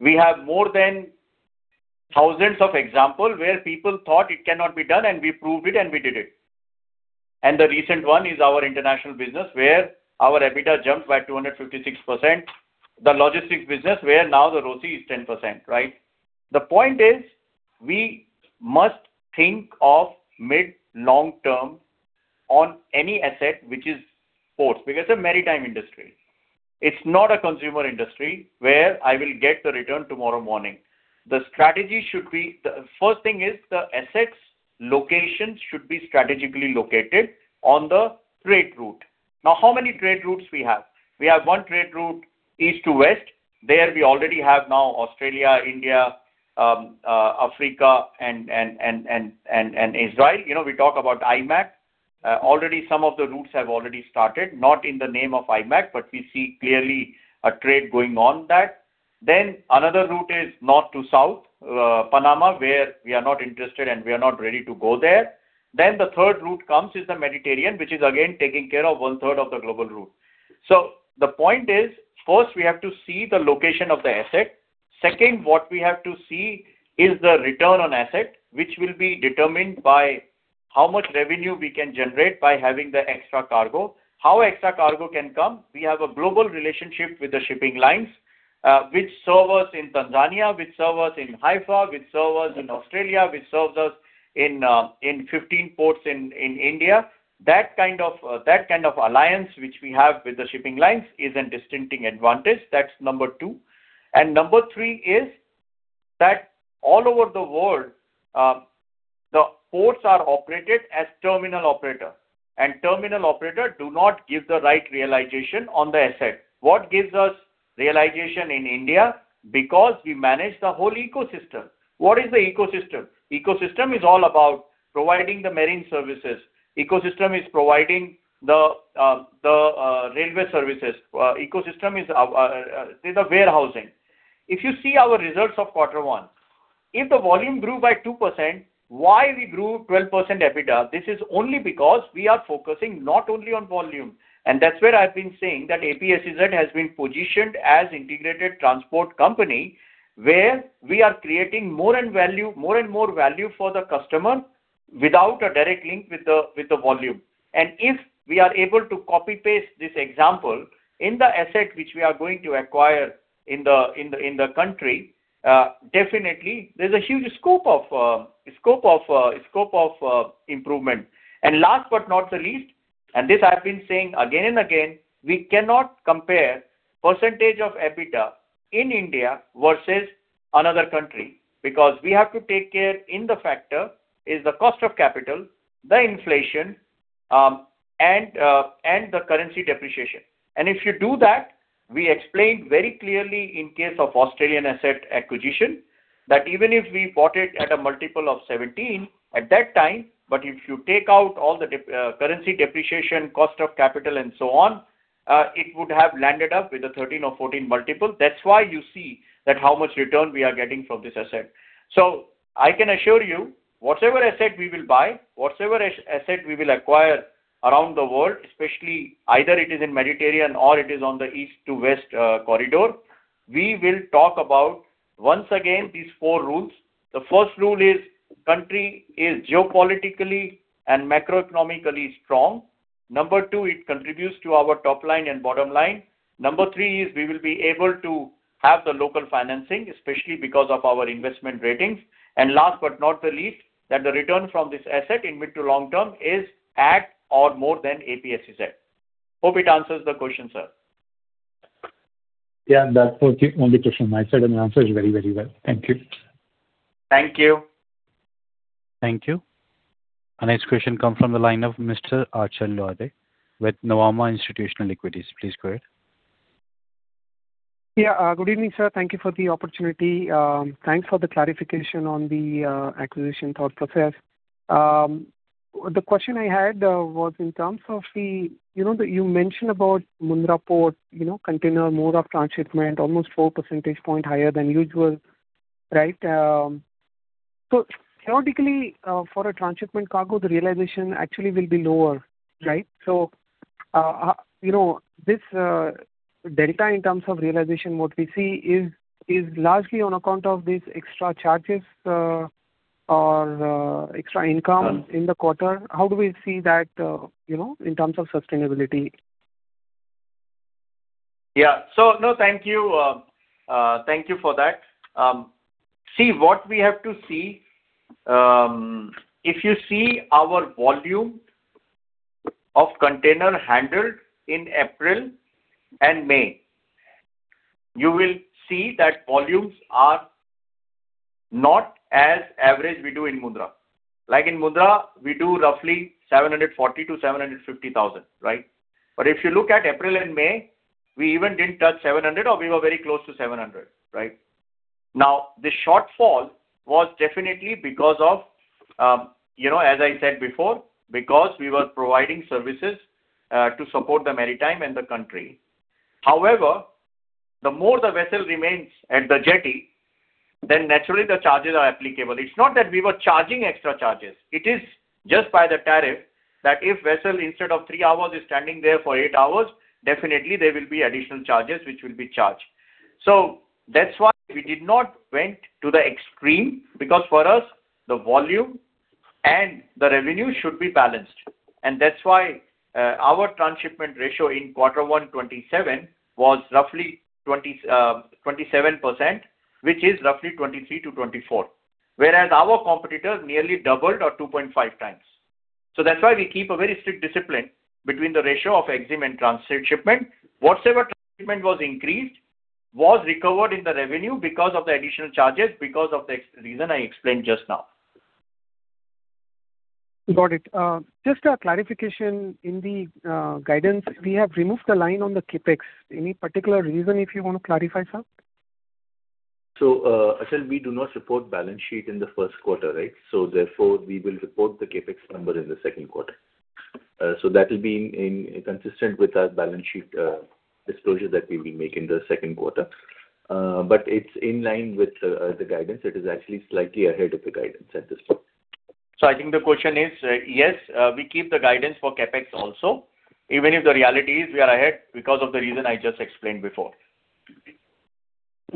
we have more than thousands of examples where people thought it cannot be done, we proved it, and we did it. The recent one is our international business, where our EBITDA jumped by 256%. The logistics business, where now the ROCE is 10%, right? The point is, we must think of mid, long-term on any asset which is ports, because it's a maritime industry. It's not a consumer industry where I will get the return tomorrow morning. The first thing is the asset's location should be strategically located on the trade route. Now, how many trade routes we have? We have one trade route, east to west. There we already have now Australia, India, Africa, and Israel. We talk about IMEC. Already some of the routes have already started, not in the name of IMEC, but we see clearly a trade going on that. Another route is north to south, Panama, where we are not interested and we are not ready to go there. The third route comes is the Mediterranean, which is again taking care of one-third of the global route. The point is, first we have to see the location of the asset. Second, what we have to see is the return on asset, which will be determined by how much revenue we can generate by having the extra cargo. How extra cargo can come? We have a global relationship with the shipping lines, which serve us in Tanzania, which serve us in Haifa, which serve us in Australia, which serves us in 15 ports in India. That kind of alliance which we have with the shipping lines is a distinct advantage. That's number two. Number three is that all over the world, the ports are operated as terminal operator, terminal operator do not give the right realization on the asset. What gives us realization in India? Because we manage the whole ecosystem. What is the ecosystem? Ecosystem is all about providing the marine services. Ecosystem is providing the railway services. Ecosystem is the warehousing. If you see our results of quarter one, if the volume grew by 2%, why we grew 12% EBITDA? This is only because we are focusing not only on volume. That's where I've been saying that APSEZ has been positioned as integrated transport company, where we are creating more and more value for the customer without a direct link with the volume. If we are able to copy-paste this example in the asset which we are going to acquire in the country, definitely there is a huge scope of improvement. Last but not the least, and this I have been saying again and again, we cannot compare percentage of EBITDA in India versus another country. We have to take care in the factor is the cost of capital, the inflation, and the currency depreciation. If you do that, we explained very clearly in case of Australian asset acquisition, that even if we bought it at a multiple of 17 at that time, but if you take out all the currency depreciation, cost of capital, and so on, it would have landed up with a 13 or 14 multiple. That is why you see that how much return we are getting from this asset. I can assure you, whatever asset we will buy, whatever asset we will acquire around the world, especially either it is in Mediterranean or it is on the east to west corridor, we will talk about, once again, these four rules. The first rule is country is geopolitically and macroeconomically strong. Number two, it contributes to our top line and bottom line. Number three is we will be able to have the local financing, especially because of our investment ratings. Last but not the least, that the return from this asset in mid to long term is at or more than APSEZ. Hope it answers the question, sir. That is okay. Only question my side, the answer is very well. Thank you. Thank you. Thank you. Our next question comes from the line of Mr. Achal Lohade with Nuvama Institutional Equities. Please go ahead. Yeah. Good evening, sir. Thank you for the opportunity. Thanks for the clarification on the acquisition thought process. The question I had was in terms of the-- You mentioned about Mundra Port, container mode of transshipment, almost four percentage point higher than usual. Right? Theoretically, for a transshipment cargo, the realization actually will be lower. Right? This delta in terms of realization, what we see is largely on account of these extra charges or extra income in the quarter. How do we see that in terms of sustainability? Yeah. Thank you. Thank you for that. See, what we have to see, if you see our volume of container handled in April and May. You will see that volumes are not as average we do in Mundra. Like in Mundra, we do roughly 740,000-750,000. If you look at April and May, we even didn't touch 700, or we were very close to 700. Now, the shortfall was definitely because of, as I said before, because we were providing services to support the maritime and the country. However, the more the vessel remains at the jetty, then naturally the charges are applicable. It's not that we were charging extra charges. It is just by the tariff, that if vessel instead of three hours is standing there for eight hours, definitely there will be additional charges which will be charged. That's why we did not went to the extreme, because for us, the volume and the revenue should be balanced. That's why our transshipment ratio in quarter one 2027 was roughly 27%, which is roughly 23%-24%. Whereas our competitors nearly doubled or 2.5x. That's why we keep a very strict discipline between the ratio of exim and transshipment. Whatever transshipment was increased was recovered in the revenue because of the additional charges, because of the reason I explained just now. Got it. Just a clarification in the guidance. We have removed the line on the CapEx. Any particular reason if you want to clarify, sir? Achal, we do not support balance sheet in the first quarter. We will report the CapEx number in the second quarter. That will be consistent with our balance sheet disclosure that we will make in the second quarter. It's in line with the guidance. It is actually slightly ahead of the guidance at this point. I think the question is, yes, we keep the guidance for CapEx also, even if the reality is we are ahead because of the reason I just explained before.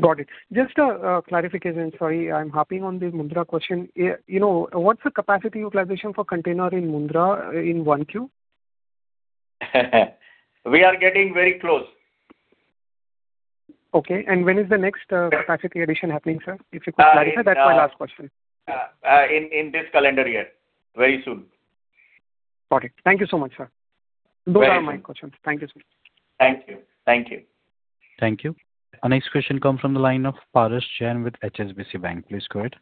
Got it. Just a clarification. Sorry, I'm harping on the Mundra question. What's the capacity utilization for container in Mundra in 1Q? We are getting very close. Okay. When is the next capacity addition happening, sir? If you could clarify, that's my last question. In this calendar year. Very soon. Got it. Thank you so much, sir. Very soon. Those are my questions. Thank you, sir. Thank you. Thank you. Our next question comes from the line of Parash Jain with HSBC Bank. Please go ahead.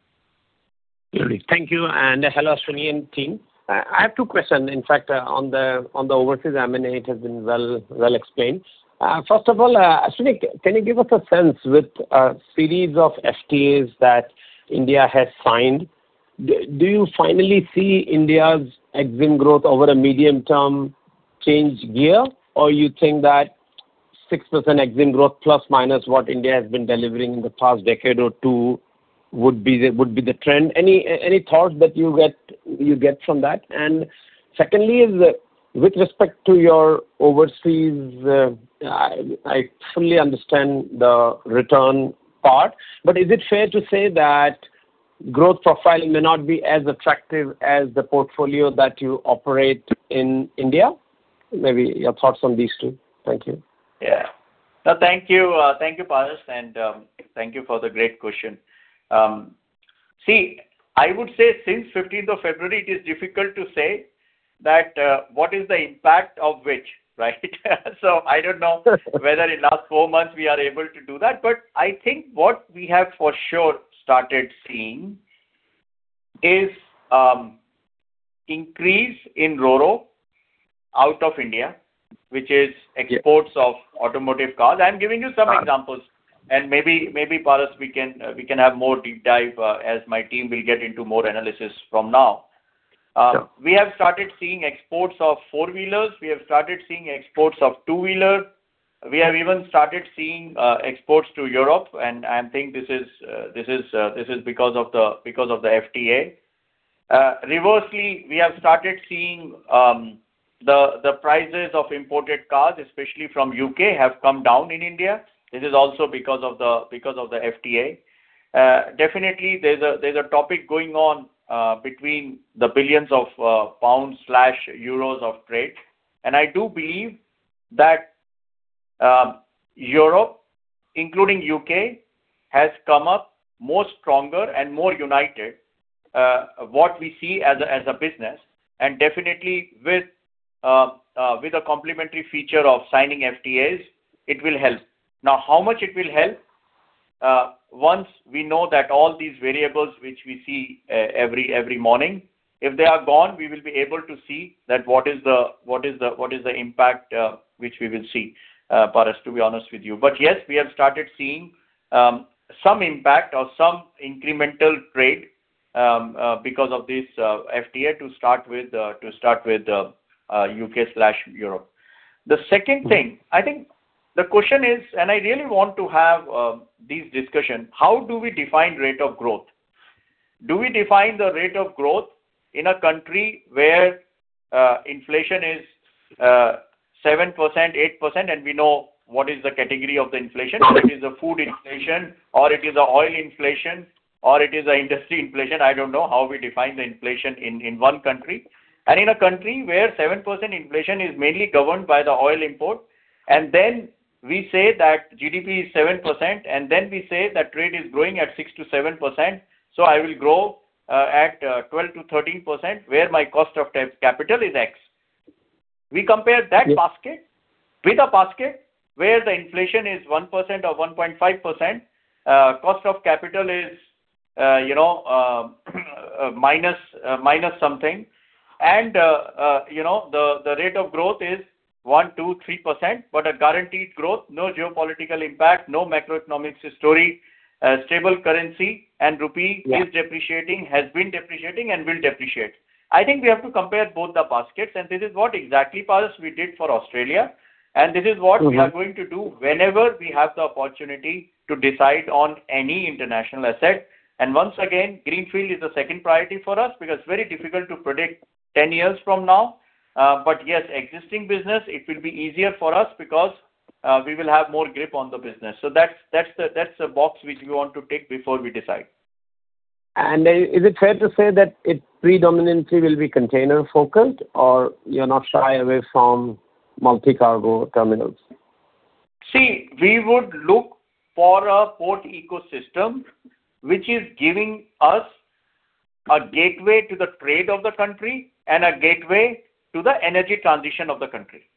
Thank you, and hello, Ashwani and team. I have two questions. In fact, on the overseas M&A it has been well explained. First of all, Ashwani, can you give us a sense with series of FTAs that India has signed, do you finally see India's exim growth over a medium term change gear, or you think that 6% exim growth plus minus what India has been delivering in the past decade or two would be the trend? Any thoughts that you get from that? Secondly is, with respect to your overseas, I fully understand the return part, but is it fair to say that growth profiling may not be as attractive as the portfolio that you operate in India? Maybe your thoughts on these two. Thank you. Yeah. No, thank you. Thank you, Paras, and thank you for the great question. See, I would say since 15th of February, it is difficult to say that what is the impact of which, right. I don't know whether in last four months we are able to do that, but I think what we have for sure started seeing is increase in RoRo out of India, which is exports of automotive cars. I am giving you some examples. Maybe, Paras, we can have more deep dive as my team will get into more analysis from now. Sure. We have started seeing exports of four-wheelers. We have started seeing exports of two-wheeler. We have even started seeing exports to Europe, and I think this is because of the FTA. Reversely, we have started seeing the prices of imported cars, especially from U.K., have come down in India. This is also because of the FTA. Definitely, there is a topic going on between the billions of pounds/euros of trade. I do believe that Europe, including U.K., has come up more stronger and more united, what we see as a business. Definitely with a complimentary feature of signing FTAs, it will help. Now, how much it will help, once we know that all these variables which we see every morning, if they are gone, we will be able to see that what is the impact which we will see, Paras, to be honest with you. Yes, we have started seeing some impact or some incremental trade because of this FTA to start with U.K./Europe. The second thing, I think the question is, and I really want to have these discussion, how do we define rate of growth? Do we define the rate of growth in a country where inflation is 7%, 8%, and we know what is the category of the inflation. It is a food inflation, or it is a oil inflation, or it is a industry inflation. I don't know how we define the inflation in one country. In a country where 7% inflation is mainly governed by the oil import. Then we say that GDP is 7%, and then we say that trade is growing at 6%-7%. I will grow at 12%-13%, where my cost of capital is X. We compare that basket with a basket where the inflation is 1% or 1.5%, cost of capital is minus something, the rate of growth is 1%-3%, but a guaranteed growth, no geopolitical impact, no macroeconomics story, stable currency. Yeah is depreciating, has been depreciating, and will depreciate. I think we have to compare both the baskets, and this is what exactly, Paras, we did for Australia. we are going to do whenever we have the opportunity to decide on any international asset. Once again, Greenfield is a second priority for us because it's very difficult to predict 10 years from now. Yes, existing business, it will be easier for us because we will have more grip on the business. That's the box which we want to tick before we decide. Is it fair to say that it predominantly will be container-focused, or you're not shy away from multi-cargo terminals? See, we would look for a port ecosystem which is giving us a gateway to the trade of the country and a gateway to the energy transition of the country.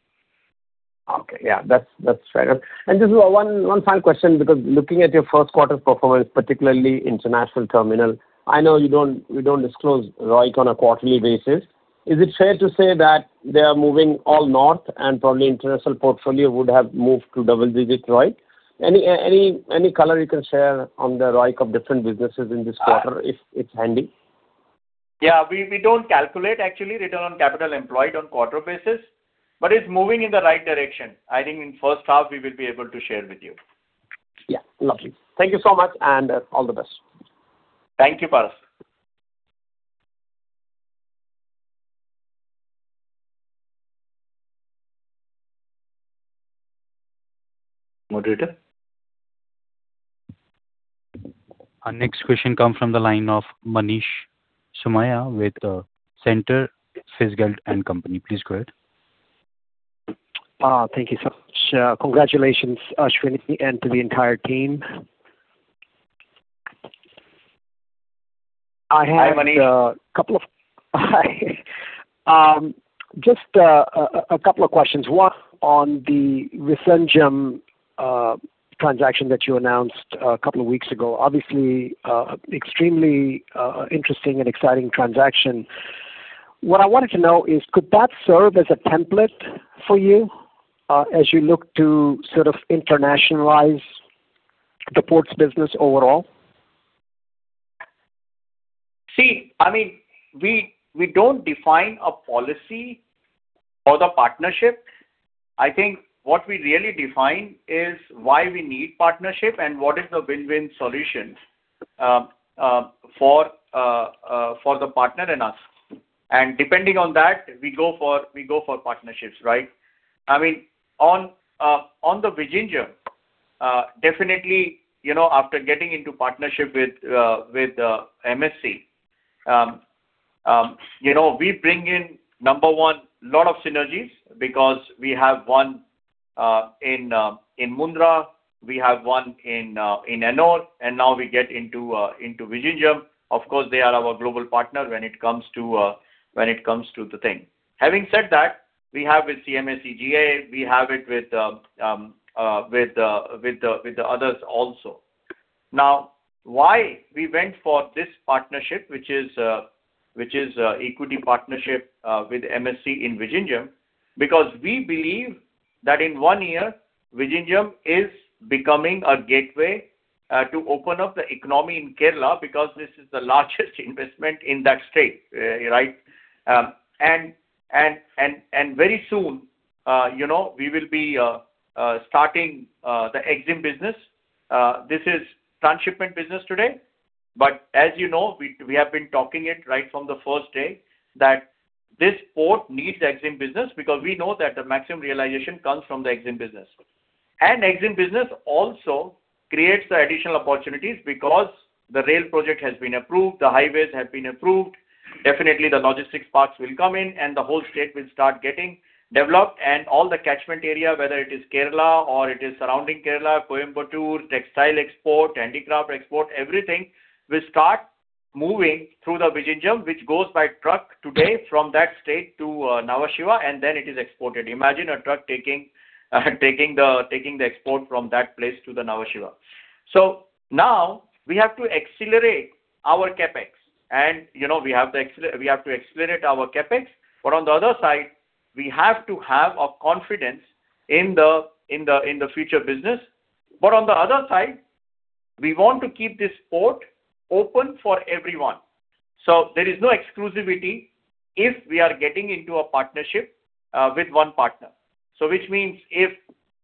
Okay. Yeah. That's fair. Just one final question, because looking at your first quarter performance, particularly international terminal, I know you don't disclose ROIC on a quarterly basis. Is it fair to say that they are moving all north and probably international portfolio would have moved to double-digit ROIC? Any color you can share on the ROIC of different businesses in this quarter, if it's handy? Yeah. We don't calculate, actually, return on capital employed on quarter basis, but it's moving in the right direction. I think in first half, we will be able to share with you. Yeah. Lovely. Thank you so much. All the best. Thank you, Parash. Moderator? Our next question come from the line of Manish Somaiya with Cantor Fitzgerald. Please go ahead. Thank you so much. Congratulations, Ashwani, and to the entire team. Hi, Manish Hi. Just a couple of questions. One on the Vizhinjam transaction that you announced a couple of weeks ago. Obviously, extremely interesting and exciting transaction. What I wanted to know is could that serve as a template for you as you look to sort of internationalize the ports business overall? We don't define a policy for the partnership. I think what we really define is why we need partnership and what is the win-win solutions for the partner and us. Depending on that, we go for partnerships, right? On the Vizhinjam, definitely, after getting into partnership with MSC, we bring in, number one, lot of synergies because we have one in Mundra, we have one in Ennore, and now we get into Vizhinjam. Of course, they are our global partner when it comes to the thing. Having said that, we have with CMA CGM, we have it with the others also. We went for this partnership, which is equity partnership with MSC in Vizhinjam, because we believe that in one year, Vizhinjam is becoming a gateway to open up the economy in Kerala because this is the largest investment in that state. Right? Very soon we will be starting the exim business. This is transshipment business today, but as you know, we have been talking it right from the first day, that this port needs exim business because we know that the maximum realization comes from the exim business. Exim business also creates the additional opportunities because the rail project has been approved, the highways have been approved. Definitely, the logistics parks will come in, and the whole state will start getting developed. All the catchment area, whether it is Kerala or it is surrounding Kerala, Coimbatore, textile export, handicraft export, everything will start moving through the Vizhinjam, which goes by truck today from that state to Nhava Sheva, and then it is exported. Imagine a truck taking the export from that place to the Nhava Sheva. We have to accelerate our CapEx. We have to accelerate our CapEx. On the other side, we have to have a confidence in the future business. On the other side, we want to keep this port open for everyone. There is no exclusivity if we are getting into a partnership with one partner. Which means if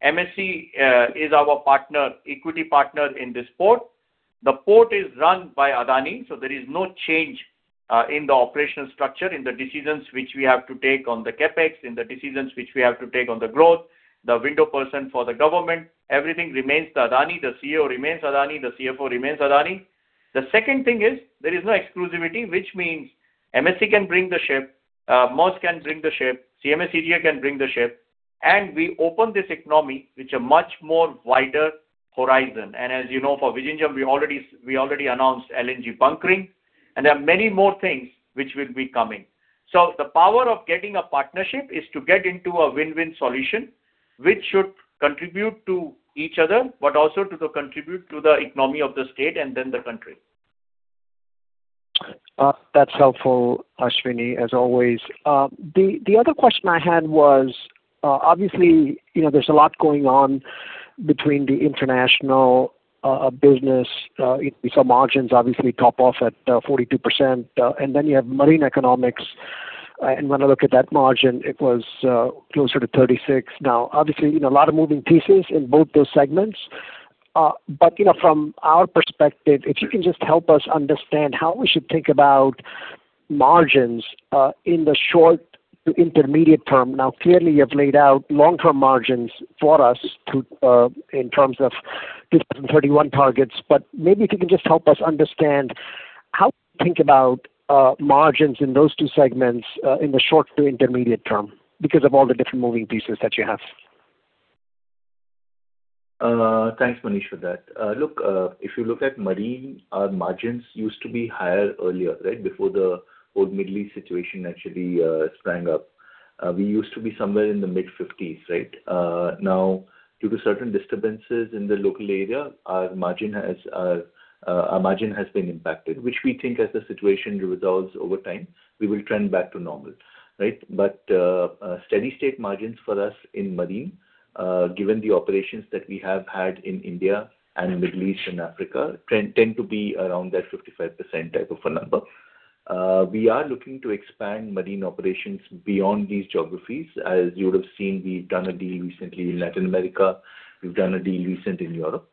MSC is our equity partner in this port, the port is run by Adani, there is no change in the operational structure, in the decisions which we have to take on the CapEx, in the decisions which we have to take on the growth, the window person for the government. Everything remains Adani. The CEO remains Adani. The CFO remains Adani. The second thing is there is no exclusivity, which means MSC can bring the ship, Maersk can bring the ship, CMA CGM can bring the ship, we open this economy, which are much more wider horizon. As you know, for Vizhinjam, we already announced LNG bunkering, there are many more things which will be coming. The power of getting a partnership is to get into a win-win solution, which should contribute to each other, but also to contribute to the economy of the state and then the country. That's helpful, Ashwani, as always. The other question I had was, obviously, there's a lot going on between the international business. We saw margins obviously top off at 42%, then you have marine economics, when I look at that margin, it was closer to 36%. Obviously, a lot of moving pieces in both those segments. From our perspective, if you can just help us understand how we should think about margins, in the short to intermediate term. Clearly, you have laid out long-term margins for us in terms of 2031 targets. Maybe if you can just help us understand how to think about margins in those two segments, in the short to intermediate term because of all the different moving pieces that you have. Thanks, Manish, for that. Look, if you look at marine, our margins used to be higher earlier. Before the whole Middle East situation actually sprang up. We used to be somewhere in the mid 50s. Due to certain disturbances in the local area, our margin has been impacted, which we think as the situation resolves over time, we will trend back to normal. Steady state margins for us in marine, given the operations that we have had in India and in Middle East and Africa, tend to be around that 55% type of a number. We are looking to expand marine operations beyond these geographies. As you would have seen, we've done a deal recently in Latin America, we've done a deal recent in Europe.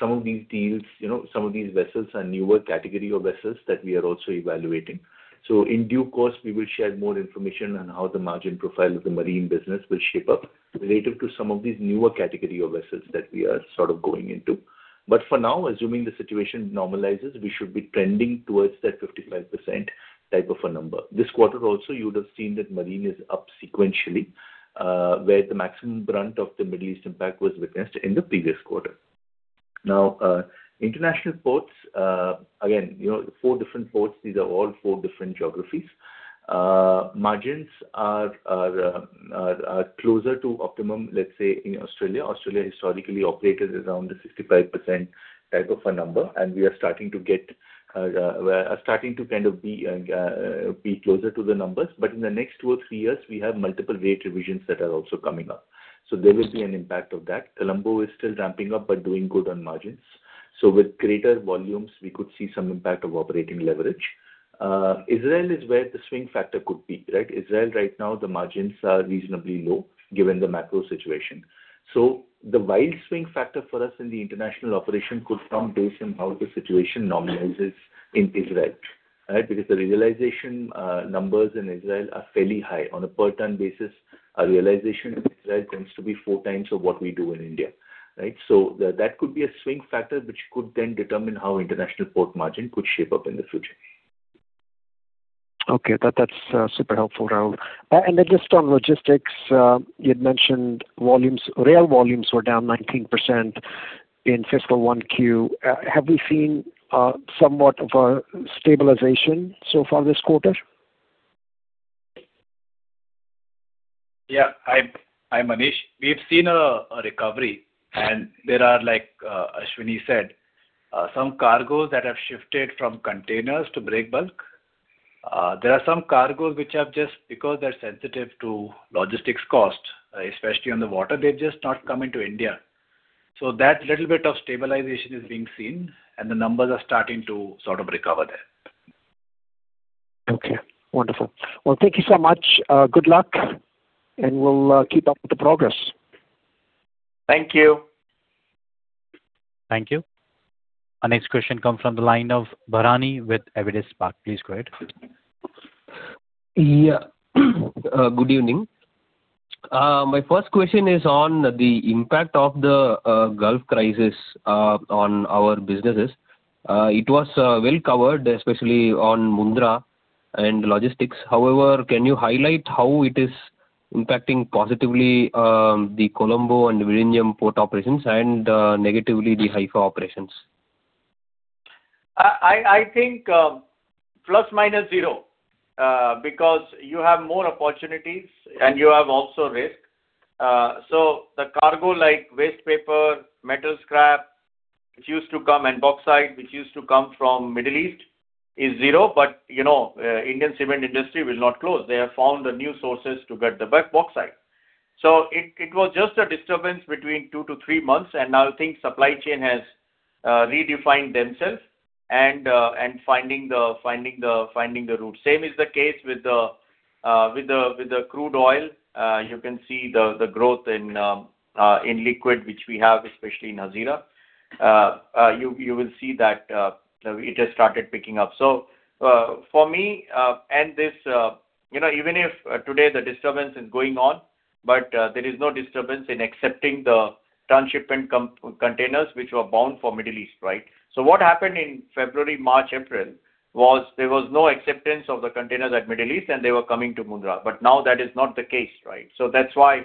Some of these vessels are newer category of vessels that we are also evaluating. In due course, we will share more information on how the margin profile of the marine business will shape up relative to some of these newer category of vessels that we are sort of going into. For now, assuming the situation normalizes, we should be trending towards that 55% type of a number. This quarter also, you would have seen that marine is up sequentially, where the maximum brunt of the Middle East impact was witnessed in the previous quarter. International ports, again four different ports, these are all four different geographies. Margins are closer to optimum, let's say, in Australia. Australia historically operated around the 65% type of a number, and we are starting to kind of be closer to the numbers. In the next two or three years, we have multiple rate revisions that are also coming up. There will be an impact of that. Colombo is still ramping up but doing good on margins. With greater volumes, we could see some impact of operating leverage. Israel is where the swing factor could be. Israel right now, the margins are reasonably low given the macro situation. The wild swing factor for us in the international operation could come based on how the situation normalizes in Israel. Because the realization numbers in Israel are fairly high. On a per ton basis, our realization in Israel tends to be four times of what we do in India. That could be a swing factor, which could then determine how international port margin could shape up in the future. Okay. That's super helpful, Rahul. Just on logistics, you'd mentioned rail volumes were down 19% in fiscal 1Q. Have we seen somewhat of a stabilization so far this quarter? Hi, Manish. We have seen a recovery and there are, like Ashwani said, some cargoes that have shifted from containers to break bulk. There are some cargoes, which have just, because they're sensitive to logistics cost, especially on the water, they've just not come into India. That little bit of stabilization is being seen and the numbers are starting to sort of recover there. Okay. Wonderful. Well, thank you so much. Good luck, and we'll keep up with the progress. Thank you. Thank you. Our next question comes from the line of Bharani with Avendus Spark. Please go ahead. Yeah. Good evening. My first question is on the impact of the Gulf crisis on our businesses. It was well covered, especially on Mundra and logistics. However, can you highlight how it is impacting positively the Colombo and Vizhinjam port operations and negatively the Haifa operations? I think plus minus zero, because you have more opportunities and you have also risk. The cargo like waste paper, metal scrap, which used to come, and bauxite, which used to come from Middle East is zero. Indian cement industry will not close. They have found new sources to get the bauxite. It was just a disturbance between two to three months, and now things supply chain has redefined themselves and finding the route. Same is the case with the crude oil. You can see the growth in liquid, which we have, especially in Hazira. You will see that it has started picking up. For me, even if today the disturbance is going on, there is no disturbance in accepting the transshipment containers, which were bound for Middle East, right? What happened in February, March, April, was there was no acceptance of the containers at Middle East, and they were coming to Mundra. Now that is not the case, right? That's why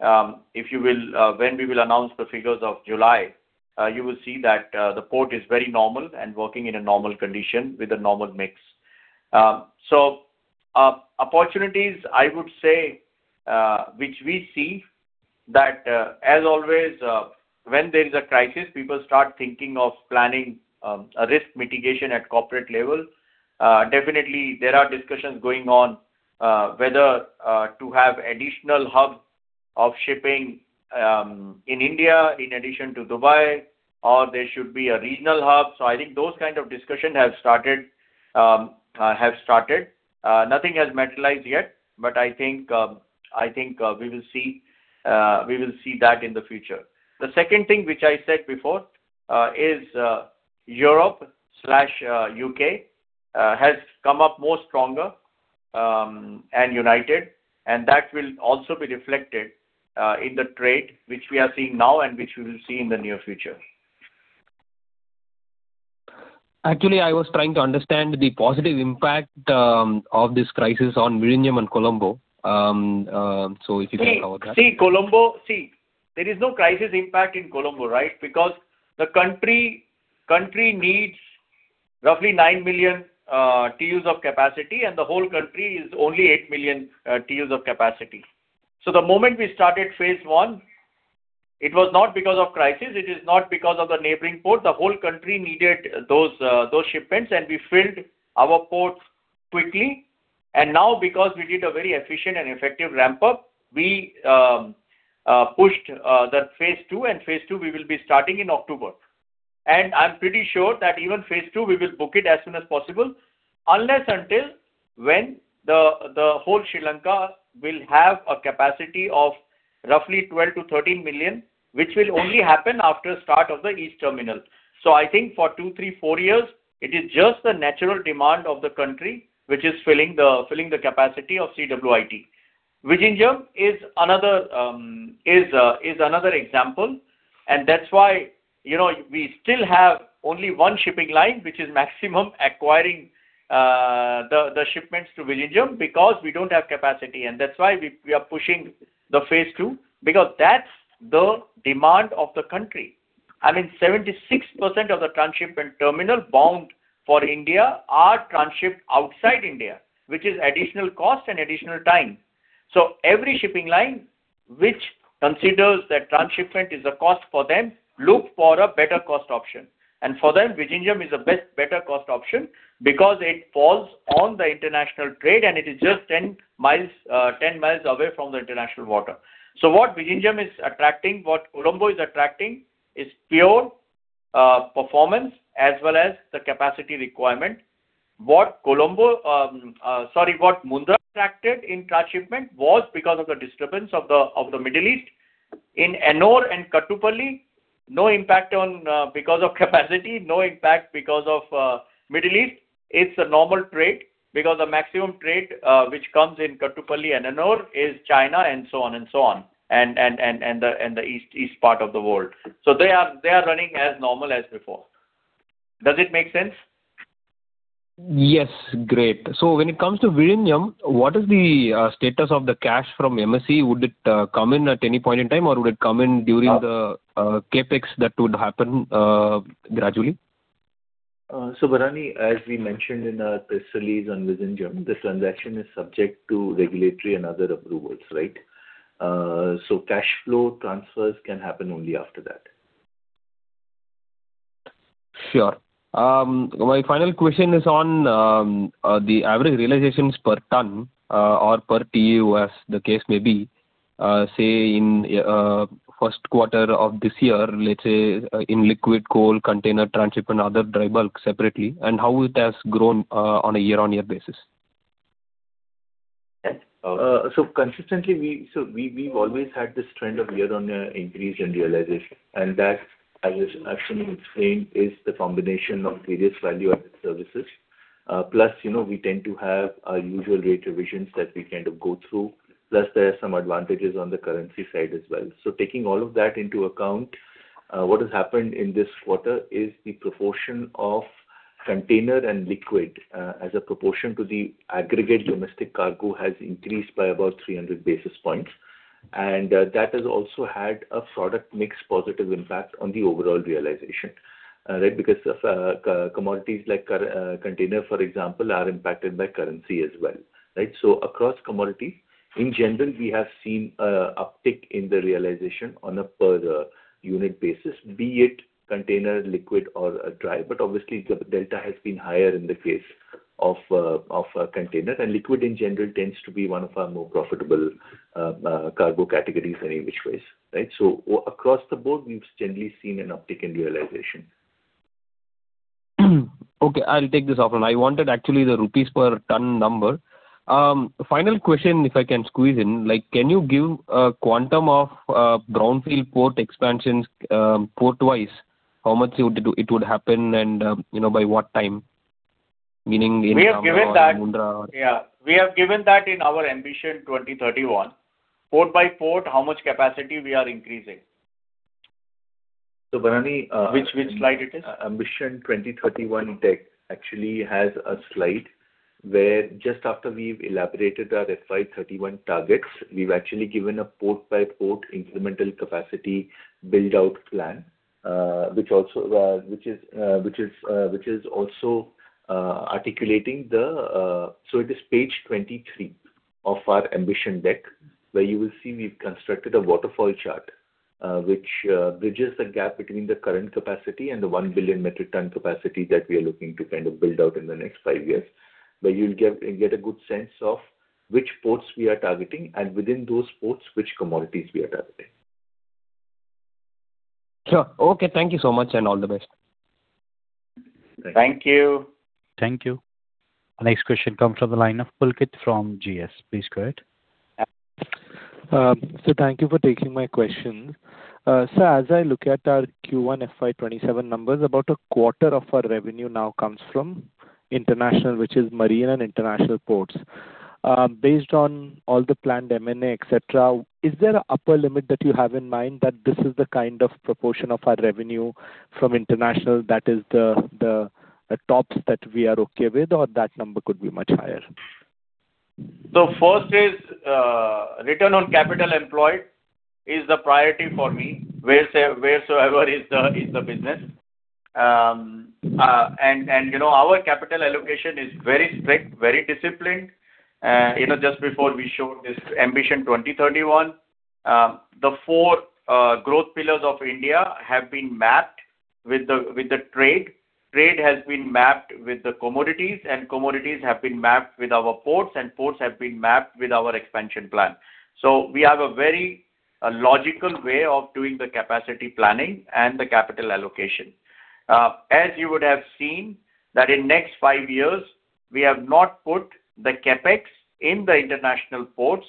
when we will announce the figures of July, you will see that the port is very normal and working in a normal condition with a normal mix. Opportunities, I would say, which we see, that as always when there is a crisis, people start thinking of planning a risk mitigation at corporate level. Definitely, there are discussions going on whether to have additional hubs of shipping in India in addition to Dubai, or there should be a regional hub. I think those kind of discussion have started. Nothing has materialized yet, but I think we will see that in the future. The second thing which I said before is Europe/U.K. has come up more stronger and united, and that will also be reflected in the trade, which we are seeing now and which we will see in the near future. Actually, I was trying to understand the positive impact of this crisis on Vizhinjam and Colombo. If you can cover that. See, there is no crisis impact in Colombo, right? Because the country needs roughly 9 million TEUs of capacity, and the whole country is only 8 million TEUs of capacity. The moment we started phase 1, it was not because of crisis, it is not because of the neighboring port. The whole country needed those shipments, and we filled our ports quickly. Now, because we did a very efficient and effective ramp-up, we pushed the phase 2, and phase 2 we will be starting in October. I'm pretty sure that even phase 2, we will book it as soon as possible, unless until when the whole Sri Lanka will have a capacity of roughly 12 million-13 million, which will only happen after start of the East Terminal. I think for two, three, four years, it is just the natural demand of the country, which is filling the capacity of CWIT. Vizhinjam is another example, and that is why we still have only one shipping line, which is maximum acquiring the shipments to Vizhinjam because we do not have capacity. That is why we are pushing the phase two, because that is the demand of the country. I mean, 76% of the transshipment terminal bound for India are transshipped outside India, which is additional cost and additional time. Every shipping line which considers that transshipment is a cost for them look for a better cost option. For them, Vizhinjam is a better cost option because it falls on the international trade, and it is just 10 mi away from the international water. What Vizhinjam is attracting, what Colombo is attracting is pure performance as well as the capacity requirement. What Mundra attracted in transshipment was because of the disturbance of the Middle East. In Ennore and Kattupalli, no impact because of capacity, no impact because of Middle East. It is a normal trade because the maximum trade, which comes in Kattupalli and Ennore is China and so on and so on, and the east part of the world. They are running as normal as before. Does it make sense? Yes. Great. When it comes to Vizhinjam, what is the status of the cash from MSC? Would it come in at any point in time, or would it come in during the CapEx that would happen gradually? Bharani, as we mentioned in our press release on Vizhinjam, this transaction is subject to regulatory and other approvals, right? Cash flow transfers can happen only after that. Sure. My final question is on the average realizations per ton, or per TEU, as the case may be, say, in first quarter of this year, let's say, in liquid coal, container transship and other dry bulk separately, and how it has grown on a year-on-year basis. Consistently, we've always had this trend of year-on-year increase in realization. That, as Ashwani was saying, is the combination of various value-added services. We tend to have our usual rate revisions that we kind of go through. There are some advantages on the currency side as well. Taking all of that into account, what has happened in this quarter is the proportion of container and liquid as a proportion to the aggregate domestic cargo has increased by about 300 basis points. That has also had a product mix positive impact on the overall realization. Right? Because commodities like container, for example, are impacted by currency as well. Right? Across commodity, in general, we have seen uptick in the realization on a per unit basis, be it container, liquid or dry. Obviously, the delta has been higher in the case of container. Liquid in general tends to be one of our more profitable cargo categories any which ways. Right? Across the board, we've generally seen an uptick in realization. Okay, I'll take this off then. I wanted actually the rupees per ton number. Final question, if I can squeeze in. Can you give a quantum of brownfield port expansions port-wise? How much it would happen and by what time? Meaning in Jamnagar or Mundra. Yeah. We have given that in our Ambition 2031. Port by port, how much capacity we are increasing. Bharani. Which slide it is? Ambition 2031 deck actually has a slide where just after we've elaborated our FY 2031 targets, we've actually given a port-by-port incremental capacity build-out plan. It is page 23 of our Ambition deck, where you will see we've constructed a waterfall chart, which bridges the gap between the current capacity and the 1 billion metric ton capacity that we are looking to build out in the next five years. Where you'll get a good sense of which ports we are targeting, and within those ports, which commodities we are targeting. Sure. Okay. Thank you so much, and all the best. Thank you. Thank you. Our next question comes from the line of Pulkit from GS. Please go ahead. Sir, thank you for taking my question. Sir, as I look at our Q1 FY 2027 numbers, about a quarter of our revenue now comes from international, which is marine and international ports. Based on all the planned M&A, et cetera, is there an upper limit that you have in mind that this is the kind of proportion of our revenue from international that is the tops that we are okay with, or that number could be much higher? First is, return on capital employed is the priority for me, wheresoever is the business. Our capital allocation is very strict, very disciplined. Just before we showed this Ambition 2031. The four growth pillars of India have been mapped with the trade. Trade has been mapped with the commodities, and commodities have been mapped with our ports, and ports have been mapped with our expansion plan. We have a very logical way of doing the capacity planning and the capital allocation. As you would have seen that in next five years, we have not put the CapEx in the international ports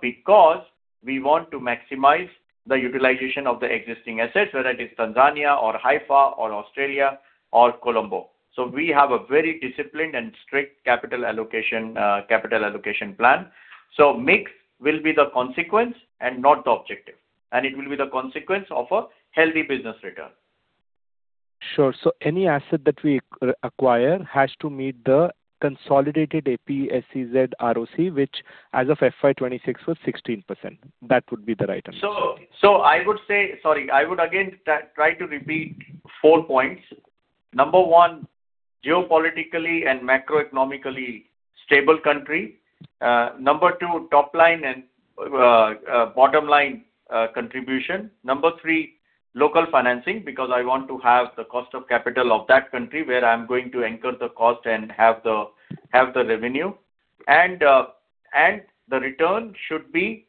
because we want to maximize the utilization of the existing assets, whether it is Tanzania or Haifa or Australia or Colombo. We have a very disciplined and strict capital allocation plan. Mix will be the consequence and not the objective, and it will be the consequence of a healthy business return. Sure. Any asset that we acquire has to meet the consolidated APSEZ ROC, which as of FY 2026 was 16%. That would be the right understanding. I would say, sorry. I would again try to repeat four points. Number one, geopolitically and macroeconomically stable country. Number two, top-line and bottom-line contribution. Number three, local financing, because I want to have the cost of capital of that country where I'm going to anchor the cost and have the revenue. The return should be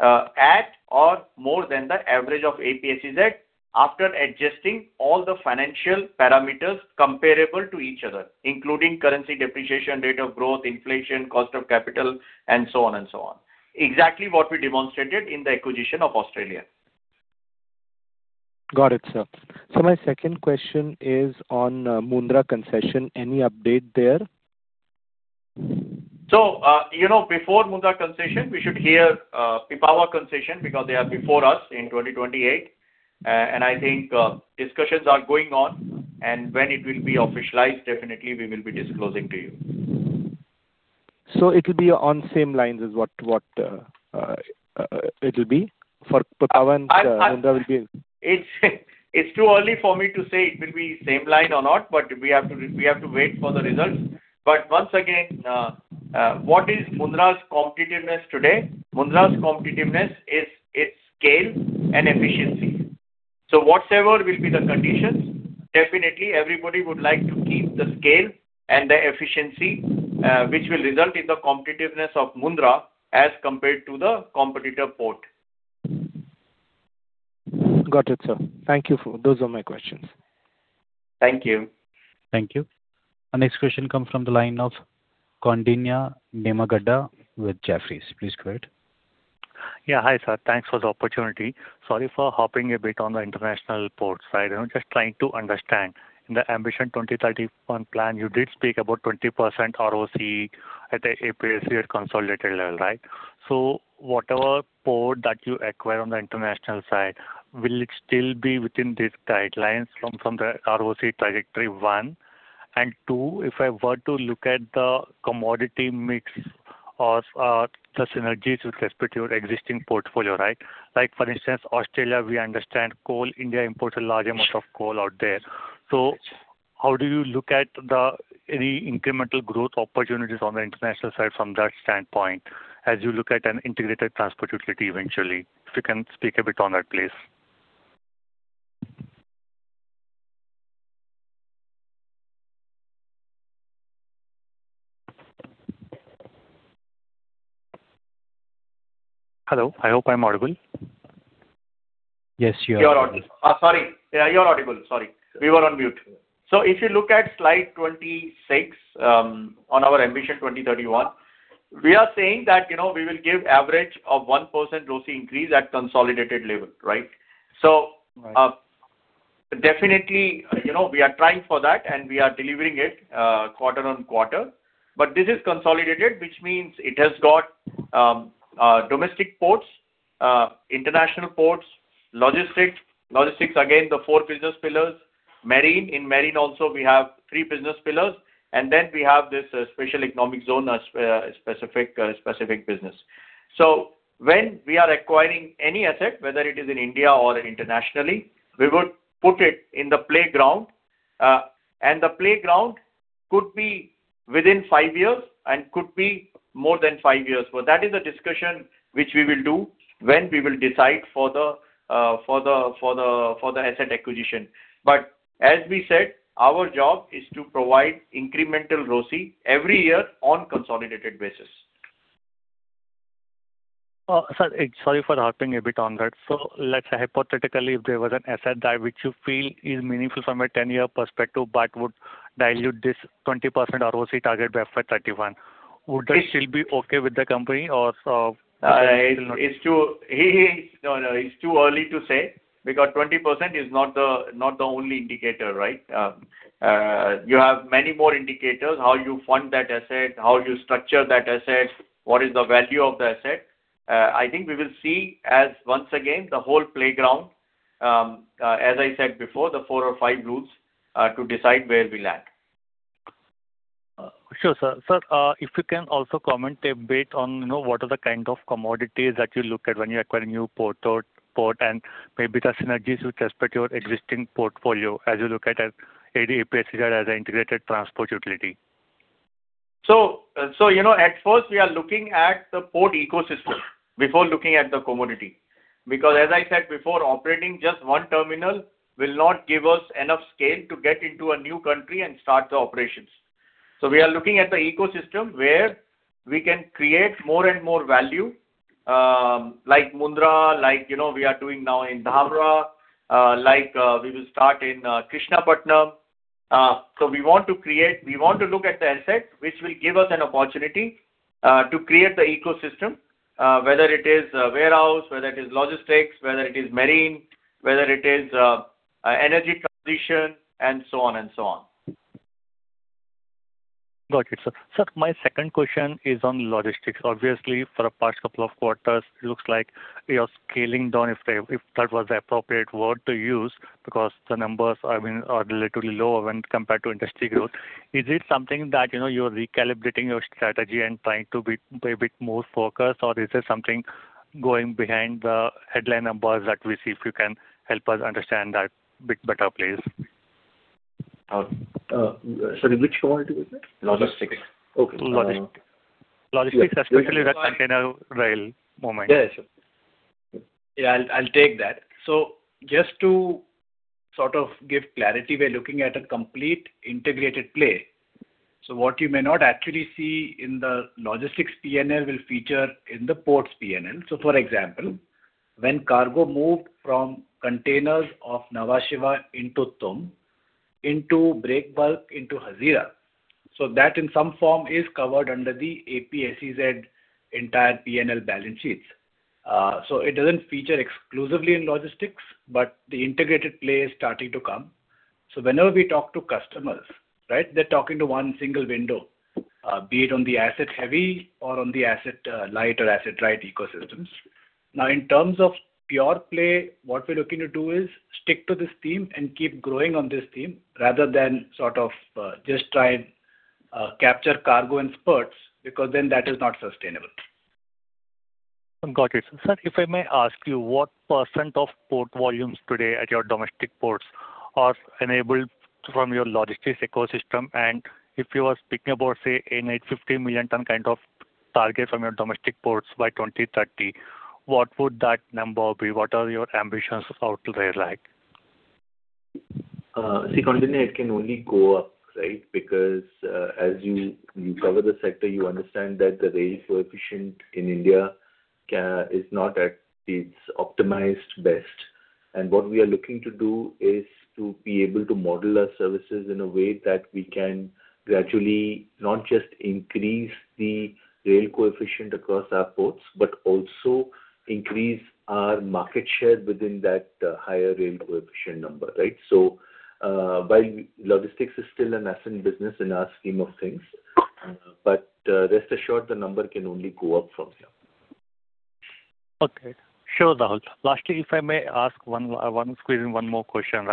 at or more than the average of APSEZ after adjusting all the financial parameters comparable to each other, including currency depreciation, rate of growth, inflation, cost of capital, and so on. Exactly what we demonstrated in the acquisition of Australia. Got it, sir. My second question is on Mundra concession. Any update there? Before Mundra concession, we should hear Pipavav concession because they are before us in 2028. I think discussions are going on, and when it will be officialized, definitely we will be disclosing to you. It will be on same lines as what it will be for Pipavav and Mundra. It's too early for me to say it will be same line or not, we have to wait for the results. Once again, what is Mundra's competitiveness today? Mundra's competitiveness is its scale and efficiency. Whatever will be the conditions, definitely everybody would like to keep the scale and the efficiency, which will result in the competitiveness of Mundra as compared to the competitor port. Got it, sir. Thank you. Those are my questions. Thank you. Thank you. Our next question comes from the line of Koundinya Nimmagadda with Jefferies. Please go ahead. Hi, sir. Thanks for the opportunity. Sorry for hopping a bit on the international port side. I am just trying to understand. In the Ambition 2031 plan, you did speak about 20% ROCE at the APSEZ consolidated level, right? Whatever port that you acquire on the international side, will it still be within these guidelines from the ROCE trajectory, one? Two, if I were to look at the commodity mix of the synergies with respect to your existing portfolio. Like for instance, Australia, we understand coal. India imports a large amount of coal out there. How do you look at any incremental growth opportunities on the international side from that standpoint, as you look at an integrated transport utility eventually? If you can speak a bit on that, please. Hello, I hope I am audible. Yes, you are audible. You are audible. Sorry. You are audible. Sorry. We were on mute. If you look at slide 26 on our Ambition 2031 We are saying that we will give average of 1% ROCE increase at consolidated level. Right? Right. Definitely, we are trying for that, we are delivering it quarter on quarter. This is consolidated, which means it has got domestic ports, international ports, logistics. Logistics, again, the four business pillars. Marine. In marine also, we have three business pillars, and then we have this Special Economic Zone specific business. When we are acquiring any asset, whether it is in India or internationally, we would put it in the playground. The playground could be within five years and could be more than five years. That is a discussion which we will do when we will decide for the asset acquisition. As we said, our job is to provide incremental ROCE every year on consolidated basis. Sir, sorry for harping a bit on that. Let's say hypothetically, if there was an asset that which you feel is meaningful from a 10-year perspective but would dilute this 20% ROCE target by 31, would that still be okay with the company or still not? No, it's too early to say, because 20% is not the only indicator, right? You have many more indicators. How you fund that asset, how you structure that asset, what is the value of the asset? I think we will see as once again, the whole playground, as I said before, the four or five routes to decide where we land. Sure, sir. Sir, if you can also comment a bit on what are the kind of commodities that you look at when you acquire new port, and maybe the synergies with respect to your existing portfolio as you look at APSEZ as an integrated transport utility. At first we are looking at the port ecosystem before looking at the commodity, because as I said before, operating just one terminal will not give us enough scale to get into a new country and start the operations. We are looking at the ecosystem where we can create more and more value, like Mundra, like we are doing now in Dhamra, like we will start in Krishnapatnam. We want to look at the asset, which will give us an opportunity to create the ecosystem, whether it is a warehouse, whether it is logistics, whether it is marine, whether it is energy transition, and so on and so on. Got it, sir. Sir, my second question is on logistics. Obviously, for the past couple of quarters, it looks like you're scaling down, if that was the appropriate word to use, because the numbers are relatively lower when compared to industry growth. Is it something that you're recalibrating your strategy and trying to be a bit more focused, or is there something going behind the headline numbers that we see? If you can help us understand that bit better, please. Sorry, which one was it? Logistics. Okay. Logistics, especially the container rail movement. Yes. I'll take that. Just to sort of give clarity, we're looking at a complete integrated play. What you may not actually see in the logistics P&L will feature in the ports P&L. For example, when cargo moved from containers of Nhava Sheva into Tumb, into break bulk into Hazira. That in some form is covered under the APSEZ entire P&L balance sheets. It doesn't feature exclusively in logistics, but the integrated play is starting to come. Whenever we talk to customers, they're talking to one single window, be it on the asset heavy or on the asset light or asset right ecosystems. In terms of pure play, what we're looking to do is stick to this theme and keep growing on this theme rather than sort of just try and capture cargo in spurts, because then that is not sustainable. Got it. Sir, if I may ask you, what percent of port volumes today at your domestic ports are enabled from your logistics ecosystem? If you are speaking about, say, 850 million ton kind of target from your domestic ports by 2030, what would that number be? What are your ambitions out there like? Koundinya, it can only go up, right? As you cover the sector, you understand that the rail coefficient in India is not at its optimized best. What we are looking to do is to be able to model our services in a way that we can gradually not just increase the rail coefficient across our ports, but also increase our market share within that higher rail coefficient number, right? While logistics is still an asset business in our scheme of things, but rest assured, the number can only go up from here. Sure, Rahul. Lastly, if I may ask one more question.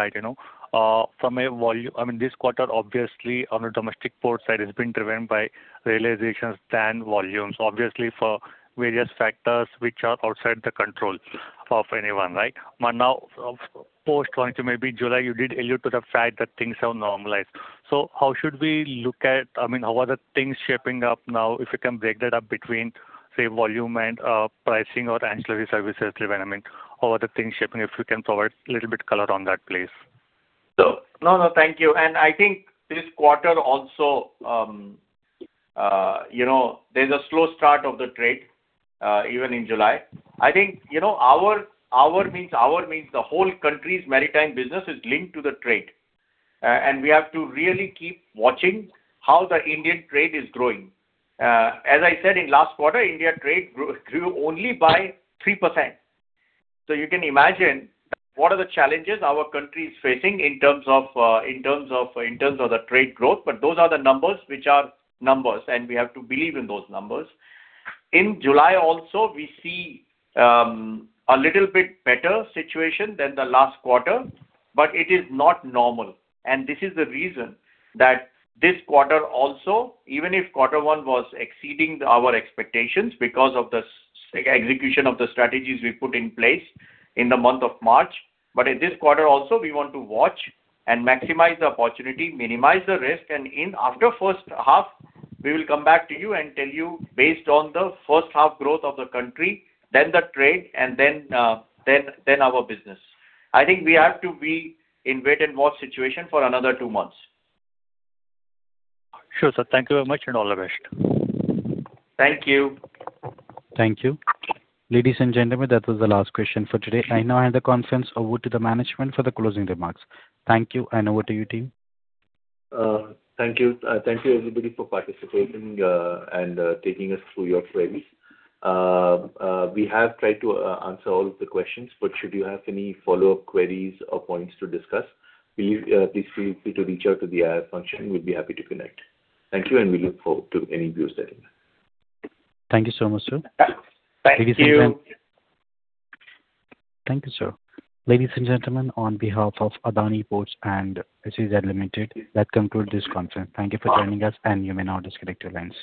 This quarter, obviously on the domestic port side, has been driven by realizations than volumes, obviously for various factors which are outside the control of anyone, right? Now, post maybe July, you did allude to the fact that things have normalized. How should we look at, how are the things shaping up now, if you can break that up between, say, volume and pricing or ancillary services revenue? How are the things shaping up? If you can provide a little bit color on that, please. No, thank you. I think this quarter also, there's a slow start of the trade, even in July. I think our means the whole country's maritime business is linked to the trade. We have to really keep watching how the Indian trade is growing. As I said in last quarter, India trade grew only by 3%. You can imagine what are the challenges our country is facing in terms of the trade growth, those are the numbers, which are numbers, and we have to believe in those numbers. In July also, we see a little bit better situation than the last quarter, it is not normal. This is the reason that this quarter also, even if Q1 was exceeding our expectations because of the execution of the strategies we put in place in the month of March. In this quarter also, we want to watch and maximize the opportunity, minimize the risk, after first half, we will come back to you and tell you based on the first half growth of the country, then the trade, then our business. I think we have to be in wait and watch situation for another two months. Sure, sir. Thank you very much. All the best. Thank you. Thank you. Ladies and gentlemen, that was the last question for today. I now hand the conference over to the management for the closing remarks. Thank you, and over to you, team. Thank you. Thank you, everybody, for participating and taking us through your queries. Should you have any follow-up queries or points to discuss, please feel free to reach out to the IR function. We would be happy to connect. Thank you, and we look forward to any views thereafter. Thank you so much, sir. Thank you. Thank you, sir. Ladies and gentlemen, on behalf of Adani Ports and SEZ Limited, that concludes this conference. Thank you for joining us, and you may now disconnect your lines.